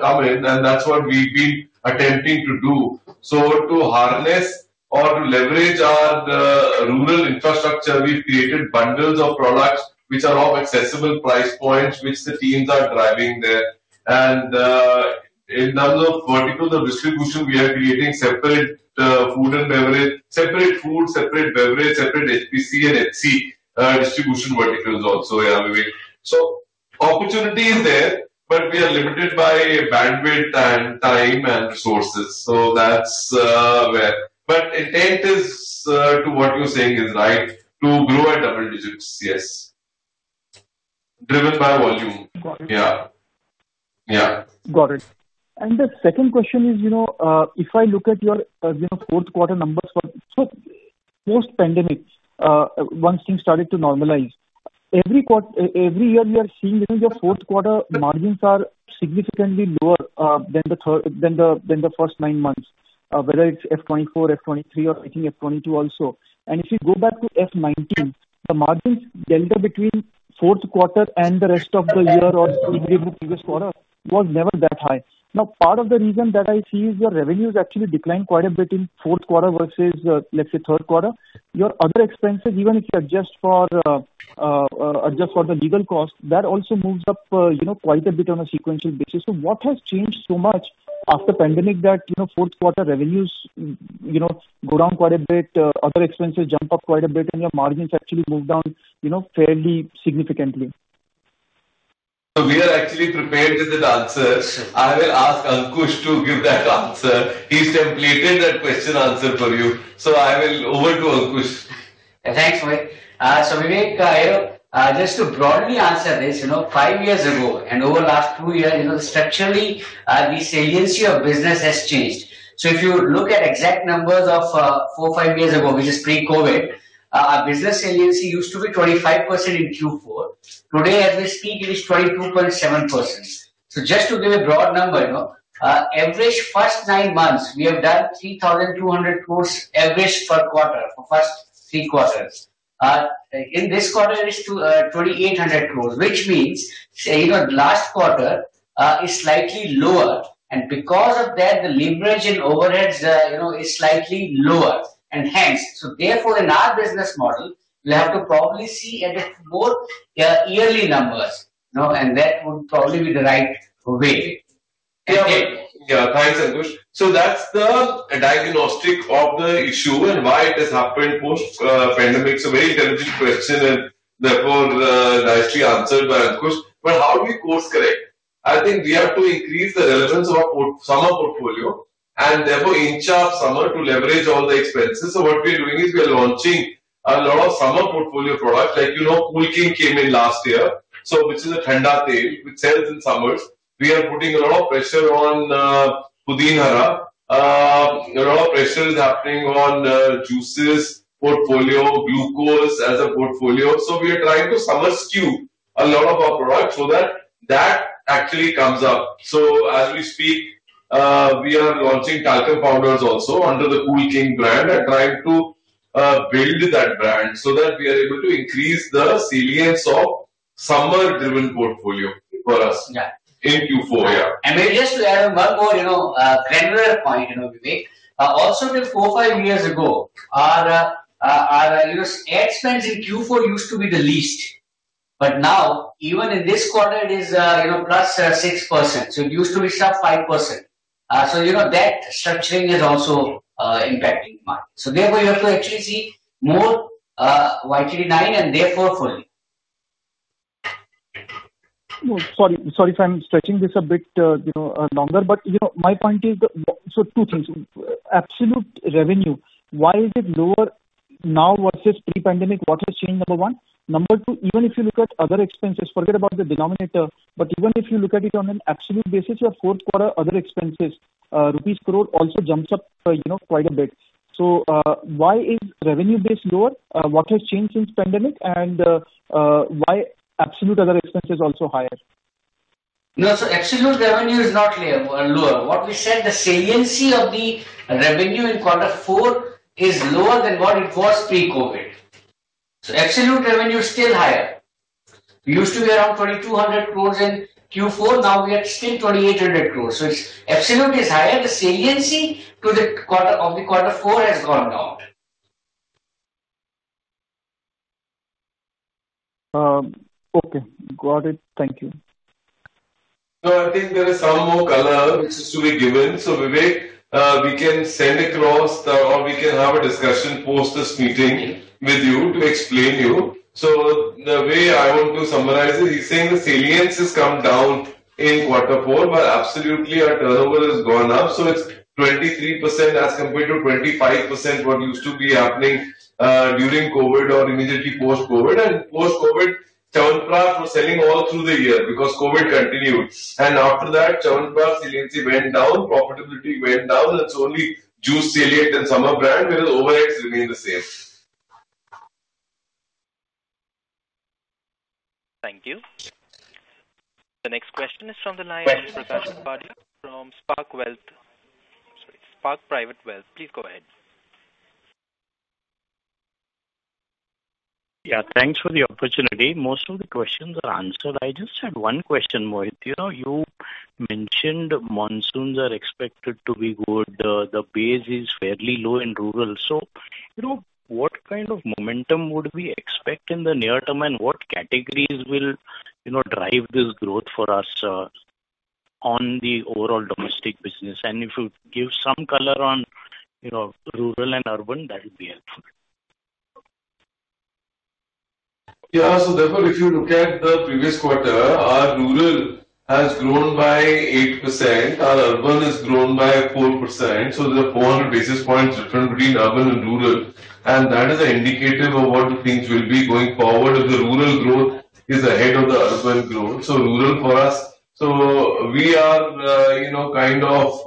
come in, and that's what we've been attempting to do. So to harness or to leverage our, the rural infrastructure, we've created bundles of products which are of accessible price points, which the teams are driving there. And in terms of verticals of distribution, we are creating separate food and beverage... separate food, separate beverage, separate HPC and HC distribution verticals also, yeah, Vivek. So opportunity is there, but we are limited by bandwidth and time and resources. So that's where. But intent is to what you're saying is right, to grow at double digits, yes. Driven by volume. Got it. Yeah. Yeah. Got it. And the second question is, you know, if I look at your, you know, fourth quarter numbers for... So post-pandemic, once things started to normalize, every year we are seeing that your fourth quarter margins are significantly lower than the third, than the first nine months, whether it's FY 2024, FY 2023 or I think FY 2022 also. And if you go back to FY 2019, the margins delta between fourth quarter and the rest of the year or previous quarter, was never that high. Now, part of the reason that I see is your revenues actually declined quite a bit in fourth quarter versus, let's say, third quarter. Your other expenses, even if you adjust for, adjust for the legal cost, that also moves up, you know, quite a bit on a sequential basis. So what has changed so much after pandemic that, you know, fourth quarter revenues, you know, go down quite a bit, other expenses jump up quite a bit, and your margins actually move down, you know, fairly significantly? We are actually prepared with that answer. Sure. I will ask Ankush to give that answer. He's templated that question, answer for you. So I will... Over to Ankush. Thanks, Mohit. So Vivek, you know, just to broadly answer this, you know, five years ago and over the last two years, you know, structurally, the salience of business has changed. So if you look at exact numbers of, four, five years ago, which is pre-COVID, business salience used to be 25% in Q4. Today, at this peak, it is 22.7%. So just to give a broad number, you know, average first nine months, we have done 3,200 crore average per quarter for first three quarters. In this quarter, it is 2,800 crore, which means, you know, last quarter is slightly lower, and because of that, the leverage in overheads, you know, is slightly lower. Hence, therefore, in our business model, we'll have to probably see at a more yearly numbers, you know, and that would probably be the right way. Yeah. Yeah. Thanks, Ankush. So that's the diagnostic of the issue and why it has happened post pandemic. It's a very intelligent question and therefore nicely answered by Ankush. But how do we course correct? I think we have to increase the relevance of our summer portfolio, and therefore ensure our summer to leverage all the expenses. So what we are doing is we are launching a lot of summer portfolio products, like, you know, Cool King came in last year, so which is a Thanda Tel, which sells in summers. We are putting a lot of pressure on Pudina, a lot of pressure is happening on juices portfolio, glucose as a portfolio. So we are trying to summer skew a lot of our products so that that actually comes up. So as we speak, we are launching talcum powders also under the Cool King brand and trying to build that brand so that we are able to increase the salience of summer-driven portfolio for us- Yeah. In Q4, yeah. May I just add one more, you know, granular point, you know, Vivek. Also till four to five years ago, our, you know, ad spend in Q4 used to be the least. But now, even in this quarter, it is, you know, +6%. So it used to be just 5%. So, you know, that structuring is also impacting the market. So therefore, you have to actually see more YTD nine, and therefore, 40. No, sorry. Sorry if I'm stretching this a bit, you know, longer, but, you know, my point is, so two things: absolute revenue, why is it lower now versus pre-pandemic? What has changed, number one. Number two, even if you look at other expenses, forget about the denominator, but even if you look at it on an absolute basis, your fourth quarter other expenses, rupees crore also jumps up, you know, quite a bit. So, why is revenue base lower? What has changed since pandemic? And, why absolute other expenses also higher? No, so absolute revenue is not lower. What we said, the saliency of the revenue in quarter four is lower than what it was pre-COVID. So absolute revenue is still higher. We used to be around 2,200 crore in Q4, now we are still 2,800 crore. So it's absolute is higher. The saliency to the quarter of the quarter four has gone down. Okay, got it. Thank you. So I think there is some more color which is to be given. So, Vivek, we can send across, or we can have a discussion post this meeting with you to explain you. So the way I want to summarize it, he's saying the salience has come down in quarter four, but absolutely our turnover has gone up. So it's 23% as compared to 25% what used to be happening during COVID or immediately post-COVID. And post-COVID, Chyawanprash was selling all through the year because COVID continued, and after that, Chyawanprash salience went down, profitability went down. It's only juice salience and summer brands, because overalls remain the same. Thank you. The next question is from the line of Prashant Patil from Spark Private Wealth. Please go ahead. Yeah, thanks for the opportunity. Most of the questions are answered. I just had one question, Mohit. You know, you mentioned monsoons are expected to be good. The base is fairly low in rural. So, you know, what kind of momentum would we expect in the near term, and what categories will, you know, drive this growth for us on the overall domestic business? And if you give some color on, you know, rural and urban, that would be helpful. Yeah. So therefore, if you look at the previous quarter, our rural has grown by 8%, our urban has grown by 4%, so there's a 400 basis points difference between urban and rural, and that is an indicative of what things will be going forward, if the rural growth is ahead of the urban growth. So rural for us... So we are, you know, kind of,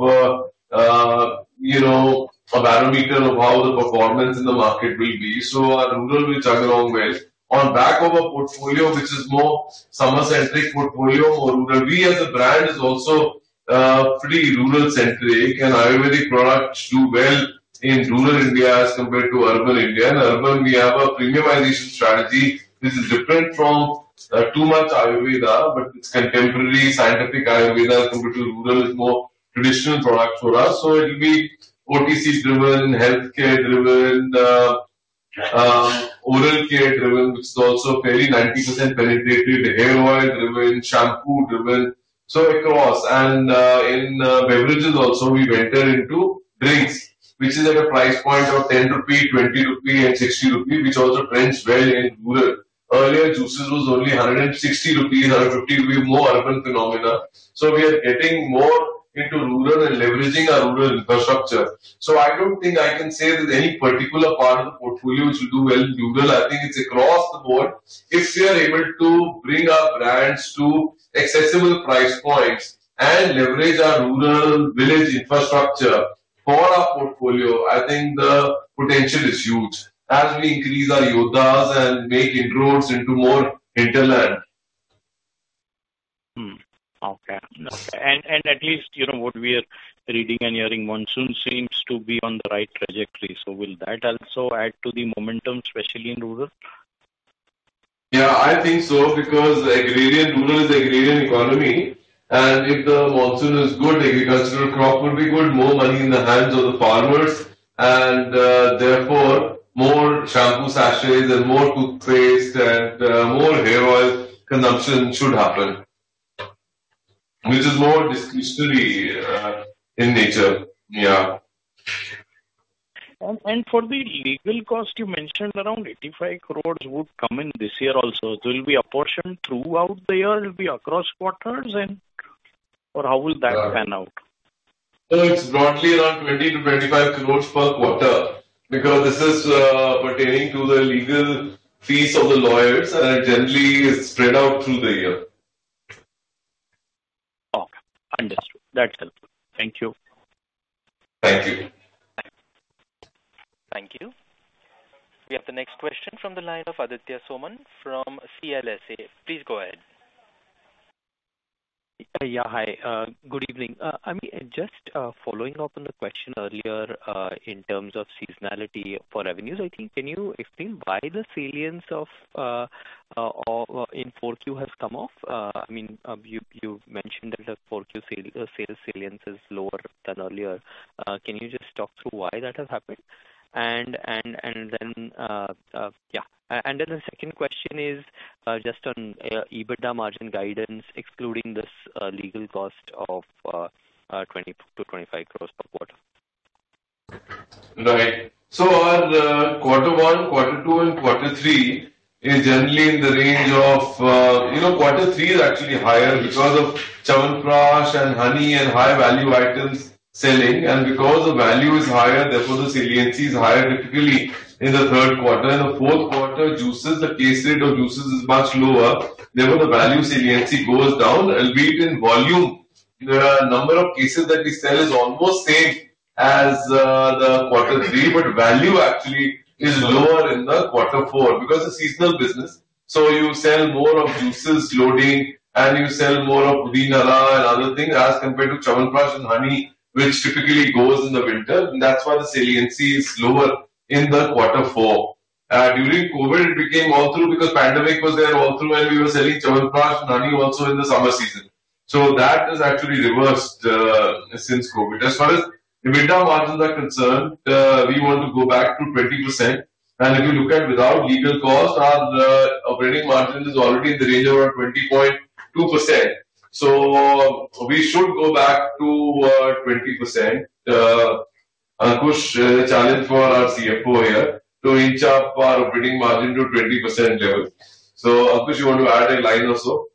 you know, a barometer of how the performance in the market will be. So our rural will chug along well. On back of a portfolio, which is more summer-centric portfolio for rural. We as a brand is also, pretty rural-centric, and Ayurvedic products do well in rural India as compared to urban India. In urban, we have a premiumization strategy, which is different from too much Ayurveda, but it's contemporary, scientific Ayurveda, as compared to rural, is more traditional product for us. So it'll be OTC-driven, healthcare-driven, oral care-driven, which is also very 90% penetrative, hair oil-driven, shampoo-driven, so across. And, in, beverages also, we venture into drinks, which is at a price point of 10 rupee, 20 rupee, and 60 rupee, which also trends well in rural. Earlier, juices was only 160 rupees, 150 rupee, more urban phenomena. So we are getting more into rural and leveraging our rural infrastructure. So I don't think I can say that any particular part of the portfolio should do well in rural. I think it's across the board. If we are able to bring our brands to accessible price points and leverage our rural village infrastructure for our portfolio, I think the potential is huge as we increase our Yodhas and make inroads into more hinterland. Okay. And at least you know, what we are reading and hearing, monsoon seems to be on the right trajectory, so will that also add to the momentum, especially in rural? Yeah, I think so, because agrarian, rural is agrarian economy, and if the monsoon is good, agricultural crop will be good, more money in the hands of the farmers, and therefore, more shampoo sachets and more toothpaste and more hair oil consumption should happen, which is more discretionary in nature. Yeah. And for the legal cost, you mentioned around 85 crore would come in this year also. There will be a portion throughout the year, it'll be across quarters and... Or how will that pan out? It's broadly around 20 crore-25 crore per quarter, because this is pertaining to the legal fees of the lawyers, and it generally is spread out through the year. Okay, understood. That's helpful. Thank you. Thank you. Thank you. We have the next question from the line of Aditya Soman from CLSA. Please go ahead. Yeah. Hi, good evening. I mean, just following up on the question earlier, in terms of seasonality for revenues, I think, can you explain why the salience of Q4 has come off? I mean, you've mentioned that the Q4 sales salience is lower than earlier. Can you just talk through why that has happened? And then, yeah. And then the second question is just on EBITDA margin guidance, excluding this legal cost of INR 20crore-INR 25 crore per quarter. Right. So our quarter one, quarter two, and quarter three is generally in the range of, you know, quarter three is actually higher because of Chyawanprash and honey and high-value items selling, and because the value is higher, therefore, the saliency is higher, typically in the third quarter. In the fourth quarter, juices, the case rate of juices is much lower, therefore, the value saliency goes down, albeit in volume. The number of cases that we sell is almost same as the quarter three, but value actually is lower in the quarter four because it's seasonal business. So you sell more of juices slowly, and you sell more of Triphala and other things as compared to Chyawanprash and honey, which typically goes in the winter. And that's why the saliency is lower in the quarter four. During COVID, it became all through because pandemic was there all through, and we were selling Chyawanprash and honey also in the summer season. So that is actually reversed since COVID. As far as EBITDA margins are concerned, we want to go back to 20%, and if you look at without legal costs, our operating margin is already in the range of around 20.2%. So we should go back to 20%. Ankush, a challenge for our CFO here to inch up our operating margin to 20% level. So, Ankush, you want to add a line or so?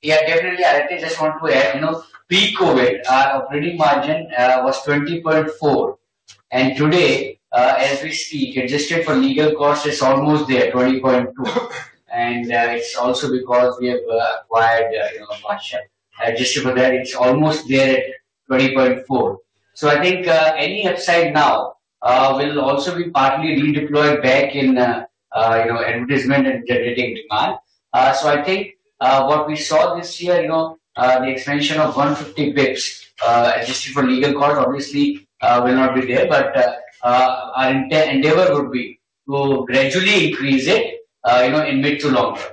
Yeah, definitely, I just want to add, you know, pre-COVID, our operating margin was 20.4%, and today, as we speak, adjusted for legal costs, it's almost there, 20.2%. And, it's also because we have acquired, you know, Badshah. Adjusted for that, it's almost there at 20.4%. So I think, any upside now will also be partly redeployed back in, you know, advertisement and generating demand. So I think, what we saw this year, you know, the expansion of 150 basis points, adjusted for legal costs, obviously, will not be there, but, our endeavor would be to gradually increase it, you know, in mid to long term.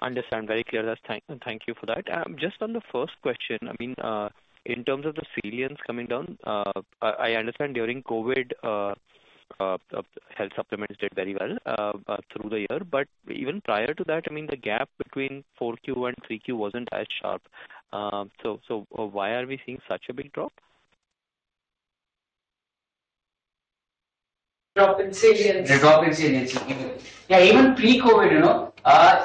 Understand. Very clear. That's. Thank you for that. Just on the first question, I mean, in terms of the saliency coming down, I understand during COVID, health supplements did very well through the year, but even prior to that, I mean, the gap between Q4 and Q3 wasn't as sharp. So, why are we seeing such a big drop? Drop in saliency? The drop in saliency. Yeah, even pre-COVID, you know,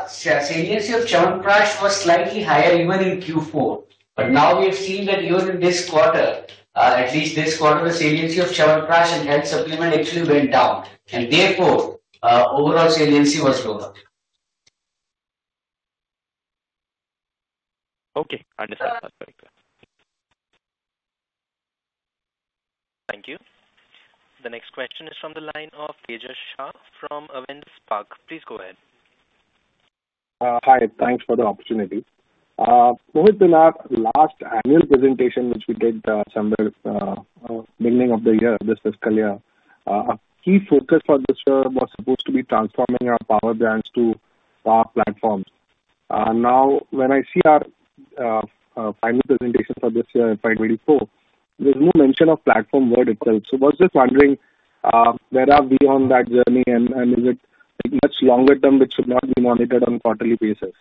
saliency of Chyawanprash was slightly higher even in Q4. But now we've seen that even in this quarter, at least this quarter, the saliency of Chyawanprash and health supplement actually went down, and therefore, overall saliency was lower. Okay, understood. That's very clear. Thank you. The next question is from the line of Tejas Shah from Avendus Spark. Please go ahead. Hi, thanks for the opportunity. Mohit, in our last annual presentation, which we did, somewhere, beginning of the year, this fiscal year, a key focus for this year was supposed to be transforming our power brands to power platforms. Now, when I see our final presentation for this year, in 2024, there's no mention of platform word itself. So I was just wondering, where are we on that journey, and, and is it, like, much longer term, which should not be monitored on a quarterly basis?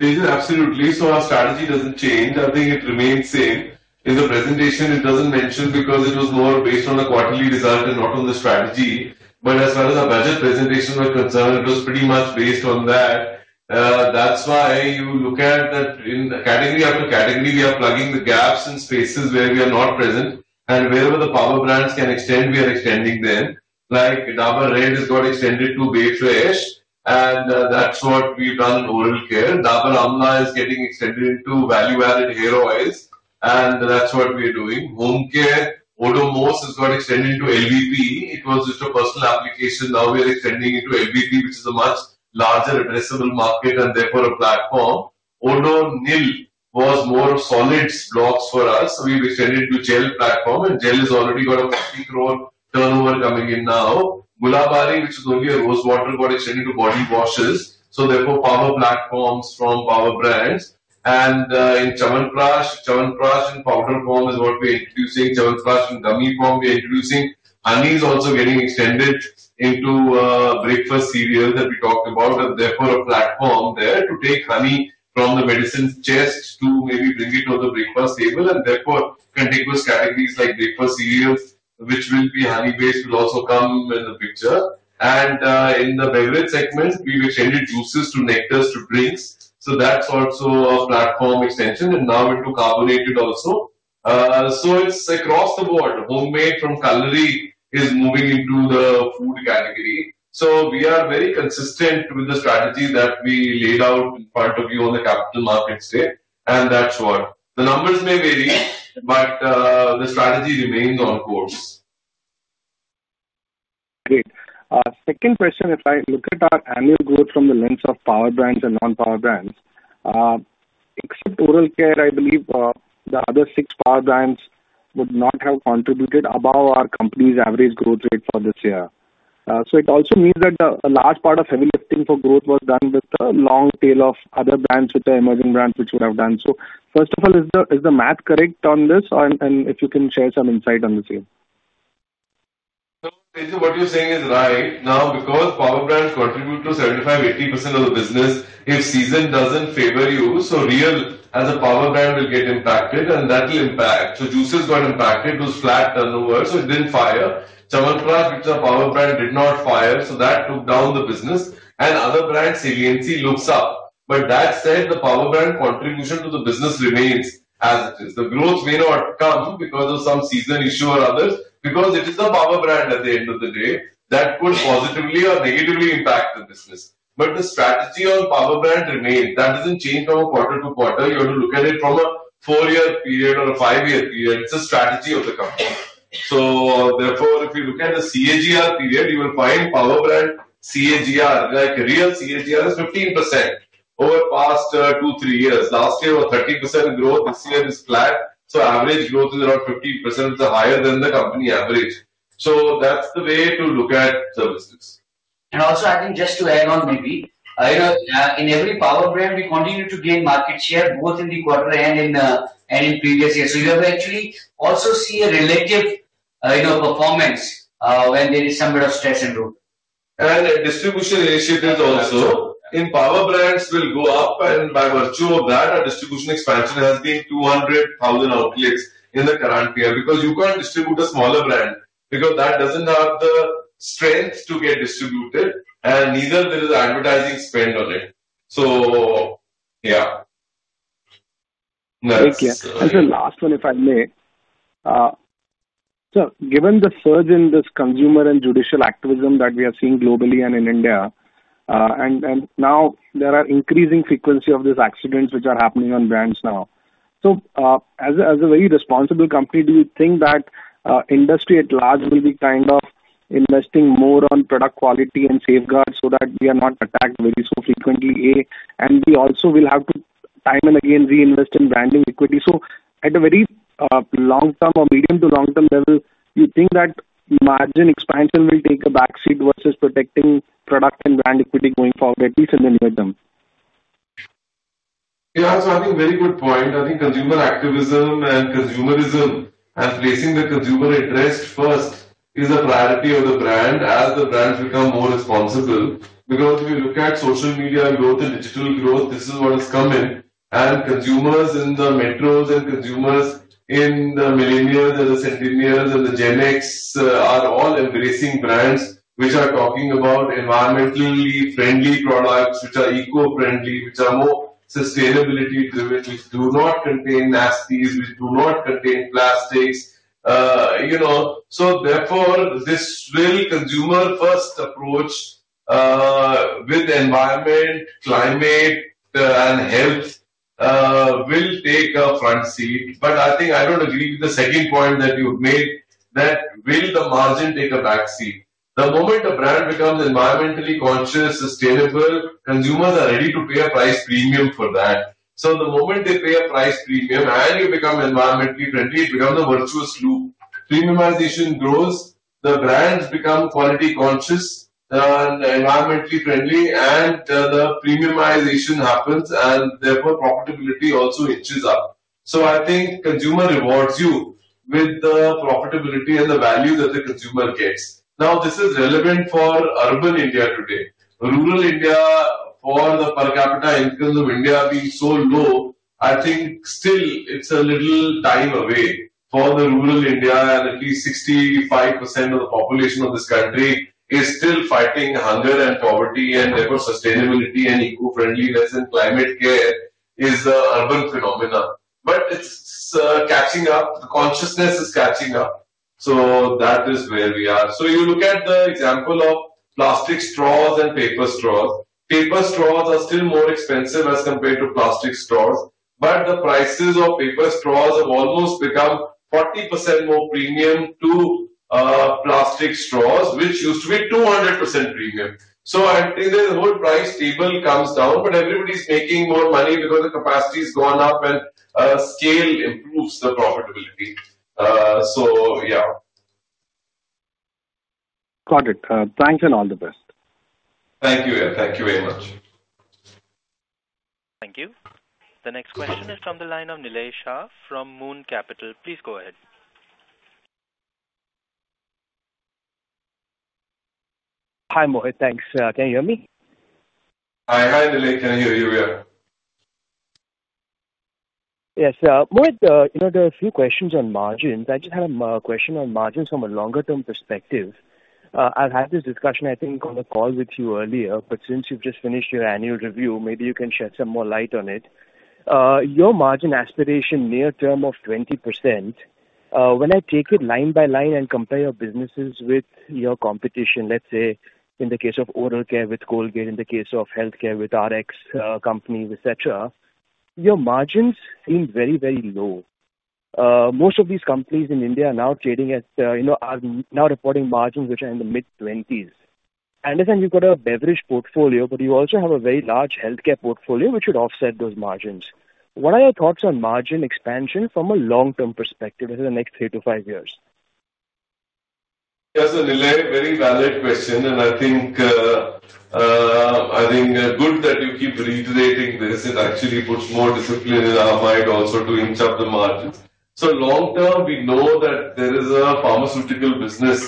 Tejas, absolutely. So our strategy doesn't change. I think it remains same. In the presentation, it doesn't mention because it was more based on the quarterly result and not on the strategy. But as far as our budget presentation was concerned, it was pretty much based on that. That's why you look at that in category after category, we are plugging the gaps in spaces where we are not present, and wherever the power brands can extend, we are extending them. Like, Dabur Red has got extended to Bae Fresh, and that's what we've done in oral care. Dabur Amla is getting extended into value-added hair oils, and that's what we are doing. Home care, Odomos, has got extended into LVP. It was just a personal application. Now we are extending into LVP, which is a much larger addressable market and therefore a platform. Odonil was more of solid blocks for us, so we've extended to gel platform, and gel has already got a INR 50 crore turnover coming in now. Gulabari, which is only a rose water, got extended to body washes, so therefore, power platforms from power brands. And, in Chyawanprash, Chyawanprash in powder form is what we are introducing. Chyawanprash in gummy form, we are introducing. Honey is also getting extended into, breakfast cereal that we talked about, and therefore, a platform there to take honey from the medicine chest to maybe bring it to the breakfast table, and therefore, contiguous categories like breakfast cereals, which will be honey-based, will also come in the future. And, in the beverage segment, we've extended juices to nectars to drinks, so that's also a platform extension, and now into carbonated also. So it's across the board. Hommade from Culinary is moving into the food category. So we are very consistent with the strategy that we laid out in front of you on the capital markets day, and that's what. The numbers may vary, but the strategy remains on course. Great. Second question: If I look at our annual growth from the lens of power brands and non-power brands, except oral care, I believe, the other six power brands would not have contributed above our company's average growth rate for this year. So it also means that a large part of heavy lifting for growth was done with the long tail of other brands, with the emerging brands, which would have done. So first of all, is the math correct on this? And if you can share some insight on the same. So what you're saying is right. Now, because power brands contribute to 75%-80% of the business, if season doesn't favor you, so Réal as a power brand will get impacted, and that will impact. So juices got impacted, it was flat turnover, so it didn't fire. Chyawanprash, which is a power brand, did not fire, so that took down the business, and other brands saliency looks up. But that said, the power brand contribution to the business remains as it is. The growth may not come because of some seasonal issue or others, because it is a power brand at the end of the day, that could positively or negatively impact the business. But the strategy on power brand remains. That doesn't change from quarter to quarter. You have to look at it from a four year period or a five year period. It's a strategy of the company. So therefore, if you look at the CAGR period, you will find power brand CAGR, like, Réal CAGR is 15% over the past to to three years. Last year was 13% growth, this year is flat, so average growth is around 15%, higher than the company average. So that's the way to look at the business. Also, I think just to add on, maybe, you know, in every power brand, we continue to gain market share, both in the quarter and in and in previous years. So you have actually also see a relative, you know, performance, when there is some bit of stress in route. The distribution initiative is also in power brands will go up, and by virtue of that, our distribution expansion has been 200,000 outlets in the current year. Because you can't distribute a smaller brand, because that doesn't have the strength to get distributed, and neither there is advertising spend on it. So yeah. Thank you. The last one, if I may. So given the surge in this consumer and judicial activism that we are seeing globally and in India, and now there are increasing frequency of these accidents which are happening on brands now. So, as a very responsible company, do you think that industry at large will be kind of investing more on product quality and safeguards so that we are not attacked very so frequently, A? And we also will have to time and again reinvest in branding equity. So at a very long term or medium to long term level, do you think that margin expansion will take a backseat versus protecting product and brand equity going forward, at least in the near term? Yeah, so I think very good point. I think consumer activism and consumerism, and placing the consumer interest first is a priority of the brand as the brands become more responsible. Because if you look at social media growth and digital growth, this is what is coming, and consumers in the metros and consumers in the millennials and the centennials and the Gen X are all embracing brands which are talking about environmentally friendly products, which are eco-friendly, which are more sustainability driven, which do not contain nasties, which do not contain plastics, you know. So therefore, this really consumer-first approach with environment, climate, and health will take a front seat. But I think I don't agree with the second point that you made, that will the margin take a backseat? The moment the brand becomes environmentally conscious, sustainable, consumers are ready to pay a price premium for that. So the moment they pay a price premium and you become environmentally friendly, it becomes a virtuous loop. Premiumization grows, the brands become quality conscious and environmentally friendly, and the premiumization happens, and therefore profitability also inches up. So I think consumer rewards you with the profitability and the value that the consumer gets. Now, this is relevant for urban India today. Rural India, for the per capita income of India being so low, I think still it's a little time away for the rural India, and at least 65% of the population of this country is still fighting hunger and poverty, and therefore, sustainability and eco-friendliness and climate care is a urban phenomena. But it's catching up. The consciousness is catching up, so that is where we are. So you look at the example of plastic straws and paper straws. Paper straws are still more expensive as compared to plastic straws, but the prices of paper straws have almost become 40% more premium to plastic straws, which used to be 200% premium. So I think the whole price table comes down, but everybody's making more money because the capacity has gone up and scale improves the profitability. So yeah. Got it. Thanks and all the best. Thank you, yeah. Thank you very much. Thank you. The next question is from the line of Nillai Shah from Moon Capital. Please go ahead. Hi, Mohit. Thanks. Can you hear me? Hi. Hi, Nillai. I can hear you, yeah. Yes, Mohit, you know, there are a few questions on margins. I just have a question on margins from a longer term perspective. I've had this discussion, I think, on the call with you earlier, but since you've just finished your annual review, maybe you can shed some more light on it. Your margin aspiration near term of 20%, when I take it line by line and compare your businesses with your competition, let's say in the case of oral care with Colgate, in the case of healthcare, with RX, companies, et cetera, your margins seem very, very low. Most of these companies in India are now trading at, you know, are now reporting margins which are in the mid-20s. I understand you've got a beverage portfolio, but you also have a very large healthcare portfolio, which would offset those margins. What are your thoughts on margin expansion from a long-term perspective over the next three to five years? Yes, Nillai. Very valid question, and I think, I think good that you keep reiterating this. It actually puts more discipline in our mind also to inch up the margin. So long term, we know that there is a pharmaceutical business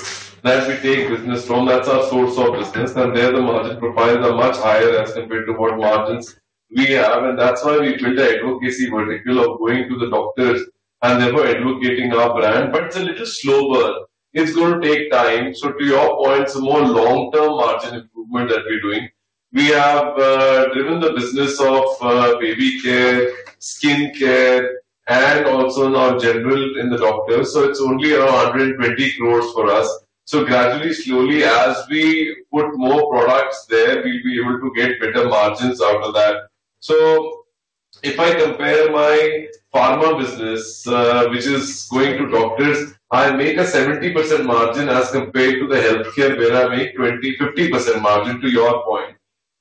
that we take business from. That's our source of business, and there the margin profiles are much higher as compared to what margins we have, and that's why we built the advocacy vertical of going to the doctors and therefore advocating our brand. But it's a little slower. It's going to take time. So to your point, it's a more long-term margin improvement that we're doing. We have driven the business of baby care, skin care, and also now general in the doctors, so it's only around 120 crore for us. So gradually, slowly, as we put more products there, we'll be able to get better margins out of that. So if I compare my pharma business, which is going to doctors, I make a 70% margin as compared to the healthcare, where I make 20%-50% margin to your point.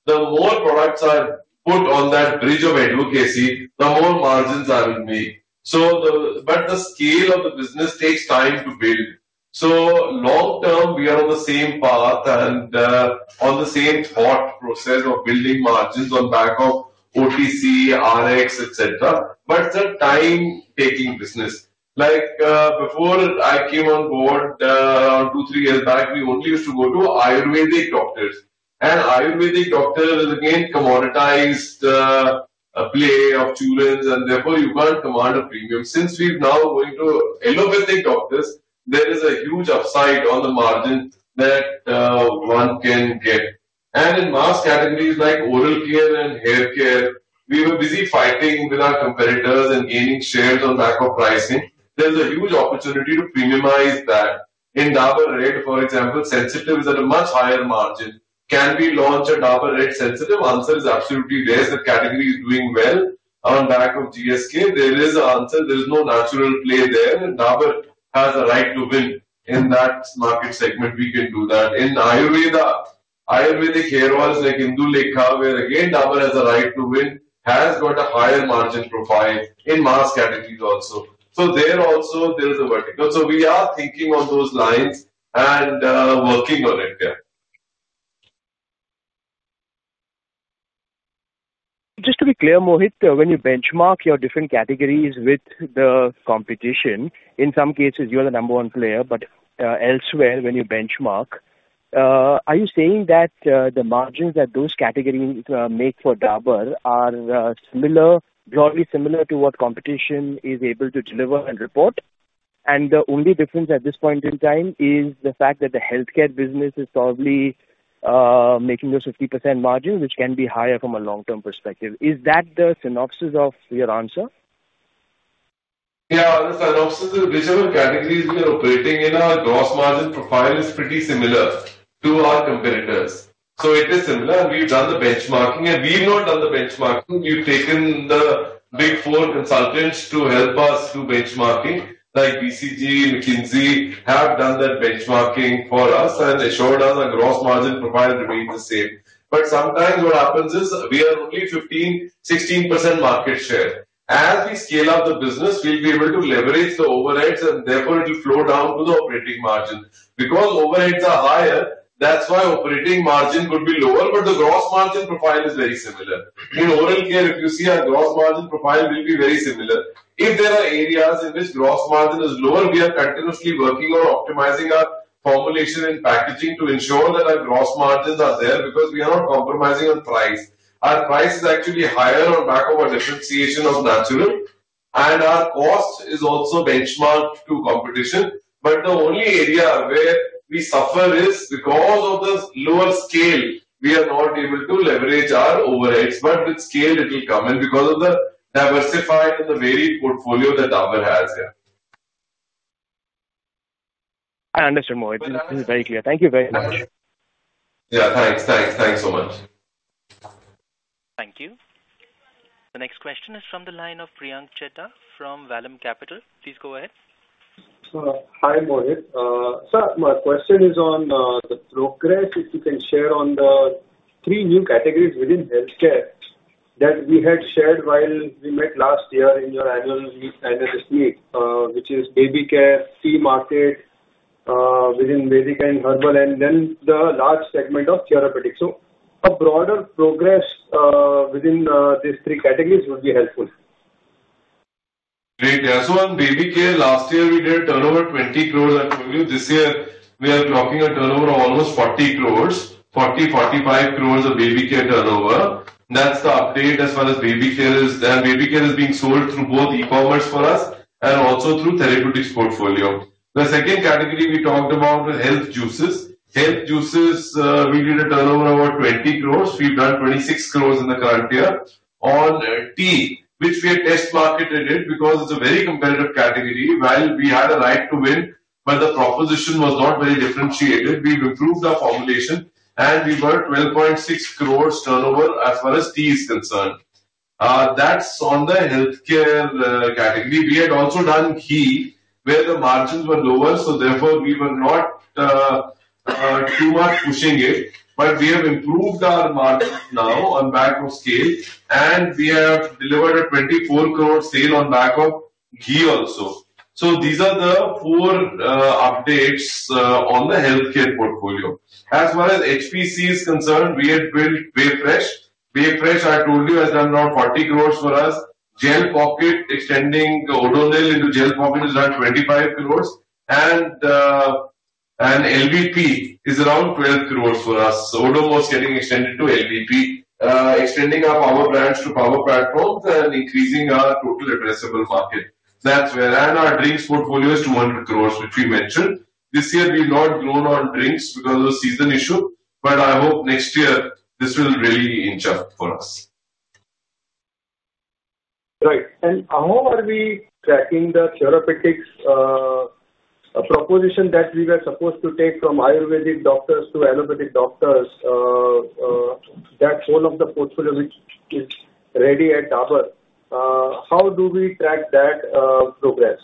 The more products I put on that bridge of advocacy, the more margins I will make. So but the scale of the business takes time to build. So long term, we are on the same path and on the same thought process of building margins on back of OTC, RX, et cetera. But it's a time-taking business. Like before I came on board, two to three years back, we only used to go to Ayurvedic doctors. And Ayurvedic doctor is again commoditized, a play of children, and therefore, you can't command a premium. Since we've now going to allopathic doctors, there is a huge upside on the margin that one can get. And in mass categories like oral care and hair care, we were busy fighting with our competitors and gaining shares on back of pricing. There's a huge opportunity to premiumize that. In Dabur Red, for example, Sensitive is at a much higher margin. Can we launch a Dabur Red Sensitive? Answer is absolutely yes. The category is doing well on back of GSK. There is an answer. There is no natural play there, and Dabur has a right to win in that market segment. We can do that. In Ayurveda, Ayurvedic hair oils like Indulekha, where again, Dabur has a right to win, has got a higher margin profile in mass categories also. So there also, there is a vertical. We are thinking on those lines and, working on it, yeah. Just to be clear, Mohit, when you benchmark your different categories with the competition, in some cases you are the number one player, but elsewhere, when you benchmark, are you saying that the margins that those categories make for Dabur are similar, broadly similar to what competition is able to deliver and report? And the only difference at this point in time is the fact that the healthcare business is probably making those 50% margins, which can be higher from a long-term perspective. Is that the synopsis of your answer? Yeah, the synopsis is whichever categories we are operating in, our gross margin profile is pretty similar to our competitors. So it is similar. We've done the benchmarking, and we've not done the benchmarking. We've taken the big four consultants to help us do benchmarking, like BCG, McKinsey, have done that benchmarking for us and assured us our gross margin profile remains the same. But sometimes what happens is we are only 15, 16% market share. As we scale up the business, we'll be able to leverage the overheads, and therefore it will flow down to the operating margin. Because overheads are higher, that's why operating margin could be lower, but the gross margin profile is very similar. In oral care, if you see our gross margin profile will be very similar. If there are areas in which gross margin is lower, we are continuously working on optimizing our formulation and packaging to ensure that our gross margins are there because we are not compromising on price. Our price is actually higher on back of a differentiation of natural, and our cost is also benchmarked to competition. But the only area where we suffer is because of the lower scale, we are not able to leverage our overheads, but with scale it will come in because of the diversified and the varied portfolio that Dabur has here. I understand, Mohit. This is very clear. Thank you very much. Yeah, thanks, thanks, thanks so much. Thank you. The next question is from the line of Priyank Chheda from Vallum Capital. Please go ahead. Hi, Mohit. Sir, my question is on the progress, if you can share on the three new categories within healthcare that we had shared while we met last year in your annual analyst meet, which is baby care, tea market, within Vedic and herbal, and then the large segment of therapeutics. So a broader progress within these three categories would be helpful. Great. Yeah. So on baby care, last year we did a turnover of 20 crore. I told you this year we are talking a turnover of almost 40 crore, 40 crore-45 crore of baby care turnover. That's the update as well as baby care is. And baby care is being sold through both e-commerce for us and also through therapeutics portfolio. The second category we talked about was health juices. Health juices, we did a turnover of about 20 crore. We've done 26 crore in the current year. On tea, which we had test marketed it, because it's a very competitive category. While we had a right to win, but the proposition was not very differentiated. We've improved our formulation, and we were at 12.6 crore turnover as far as tea is concerned. That's on the healthcare category. We had also done ghee, where the margins were lower, so therefore we were not too much pushing it, but we have improved our margins now on back of scale, and we have delivered 24 crore sale on back of ghee. Ghee also. So these are the four updates on the healthcare portfolio. As far as HPC is concerned, we had built Sanifresh. Sanifresh, I told you, has done around 40 crore for us. Gel pocket, extending the Odonil into gel pocket has done 25 crore, and LVP is around 12 crore for us. Odomos getting extended to LVP, extending our power brands to power platforms and increasing our total addressable market. That's where. And our drinks portfolio is 200 crore, which we mentioned. This year, we've not grown on drinks because of the season issue, but I hope next year this will really inch up for us. Right. And how are we tracking the therapeutics proposition that we were supposed to take from Ayurvedic doctors to allopathic doctors, that whole of the portfolio which is ready at Dabur? How do we track that progress?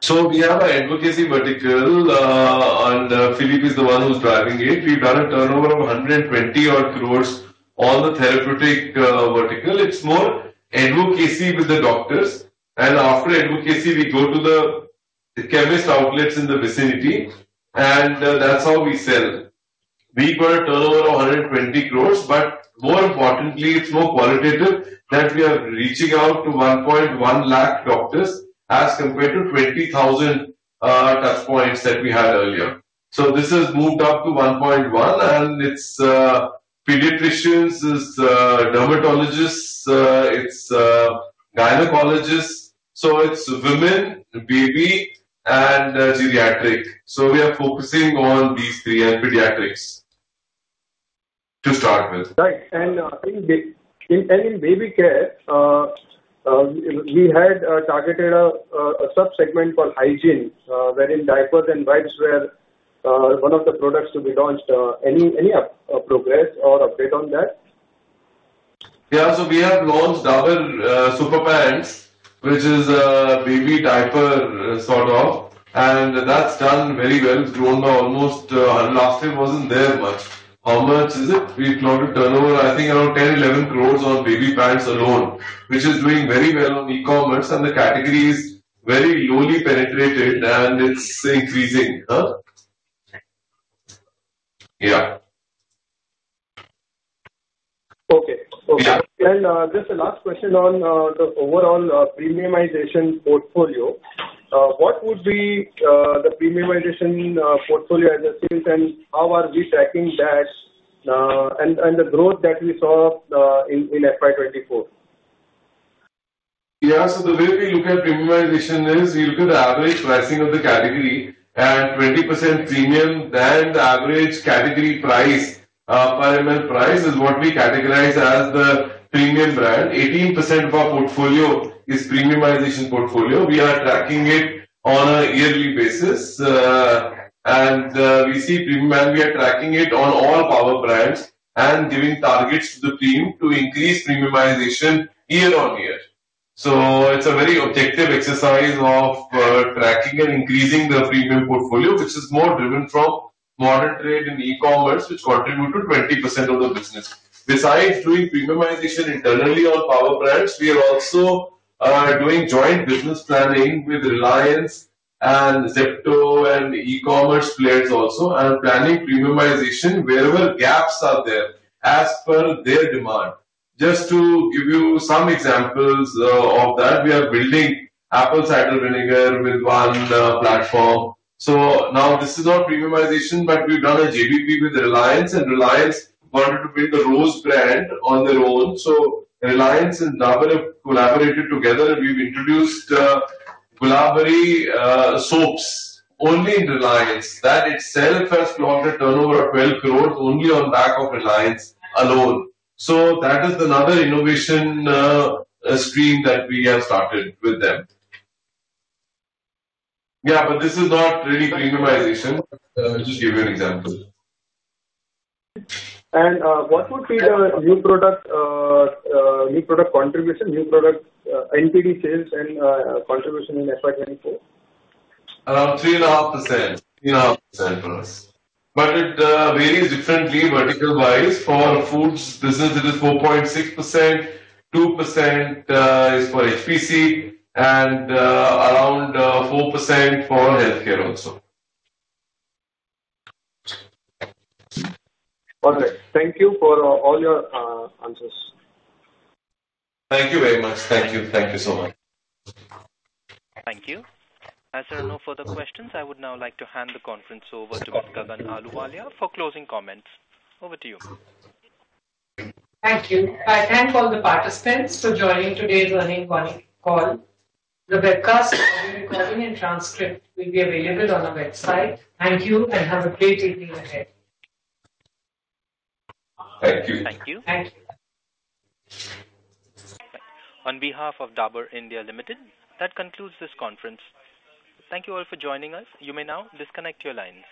So we have our advocacy vertical, and Philip is the one who's driving it. We've done a turnover of 120-odd crores on the therapeutic vertical. It's more advocacy with the doctors, and after advocacy, we go to the chemist outlets in the vicinity, and that's how we sell. We've got a turnover of 120 crores, but more importantly, it's more qualitative that we are reaching out to 1.1 lakh doctors as compared to 20,000 touchpoints that we had earlier. So this has moved up to 1.1, and it's pediatricians, it's dermatologists, it's gynecologists. So it's women, baby, and geriatric. So we are focusing on these three and pediatrics to start with. Right. In baby care, we had targeted a sub-segment called hygiene, wherein diapers and wipes were one of the products to be launched. Any progress or update on that? Yeah. So we have launched Dabur Super Pants, which is a baby diaper, sort of, and that's done very well. It's grown by almost... last time it wasn't there much. How much is it? We've got a turnover, I think, around 10-11 crores on baby pants alone, which is doing very well on e-commerce, and the category is very lowly penetrated, and it's increasing, huh? Yeah. Okay. Okay. Yeah. Just a last question on the overall premiumization portfolio. What would be the premiumization portfolio as of since, and how are we tracking that, and the growth that we saw in FY 2024? Yeah. So the way we look at premiumization is, you look at the average pricing of the category, at 20% premium than the average category price. Premium price is what we categorize as the premium brand. 18% of our portfolio is premiumization portfolio. We are tracking it on a yearly basis, and we see premium, and we are tracking it on all our brands and giving targets to the team to increase premiumization year on year. So it's a very objective exercise of, tracking and increasing the premium portfolio, which is more driven from modern trade and e-commerce, which contribute to 20% of the business. Besides doing premiumization internally on our brands, we are also doing joint business planning with Reliance and Zepto and e-commerce players also, and planning premiumization wherever gaps are there as per their demand. Just to give you some examples of that, we are building apple cider vinegar with one platform. So now this is not premiumization, but we've done a JBP with Reliance, and Reliance wanted to create the Rose brand on their own. So Reliance and Dabur have collaborated together. We've introduced Gulabari soaps only in Reliance. That itself has clocked a turnover of 12 crore only on back of Reliance alone. So that is another innovation stream that we have started with them. Yeah, but this is not really premiumization. Just to give you an example. What would be the new product contribution, new product NPD sales and contribution in FY 2024? Around 3.5%. 3.5% for us. But it varies differently vertical-wise. For our foods business, it is 4.6%, 2% is for HPC, and around 4% for healthcare also. All right. Thank you for all your answers. Thank you very much. Thank you. Thank you so much. Thank you. As there are no further questions, I would now like to hand the conference over to Gagan Ahluwalia for closing comments. Over to you. Thank you. I thank all the participants for joining today's earnings call. The webcast, audio recording, and transcript will be available on our website. Thank you, and have a great evening ahead. Thank you. Thank you. Thanks. On behalf of Dabur India Limited, that concludes this conference. Thank you all for joining us. You may now disconnect your lines.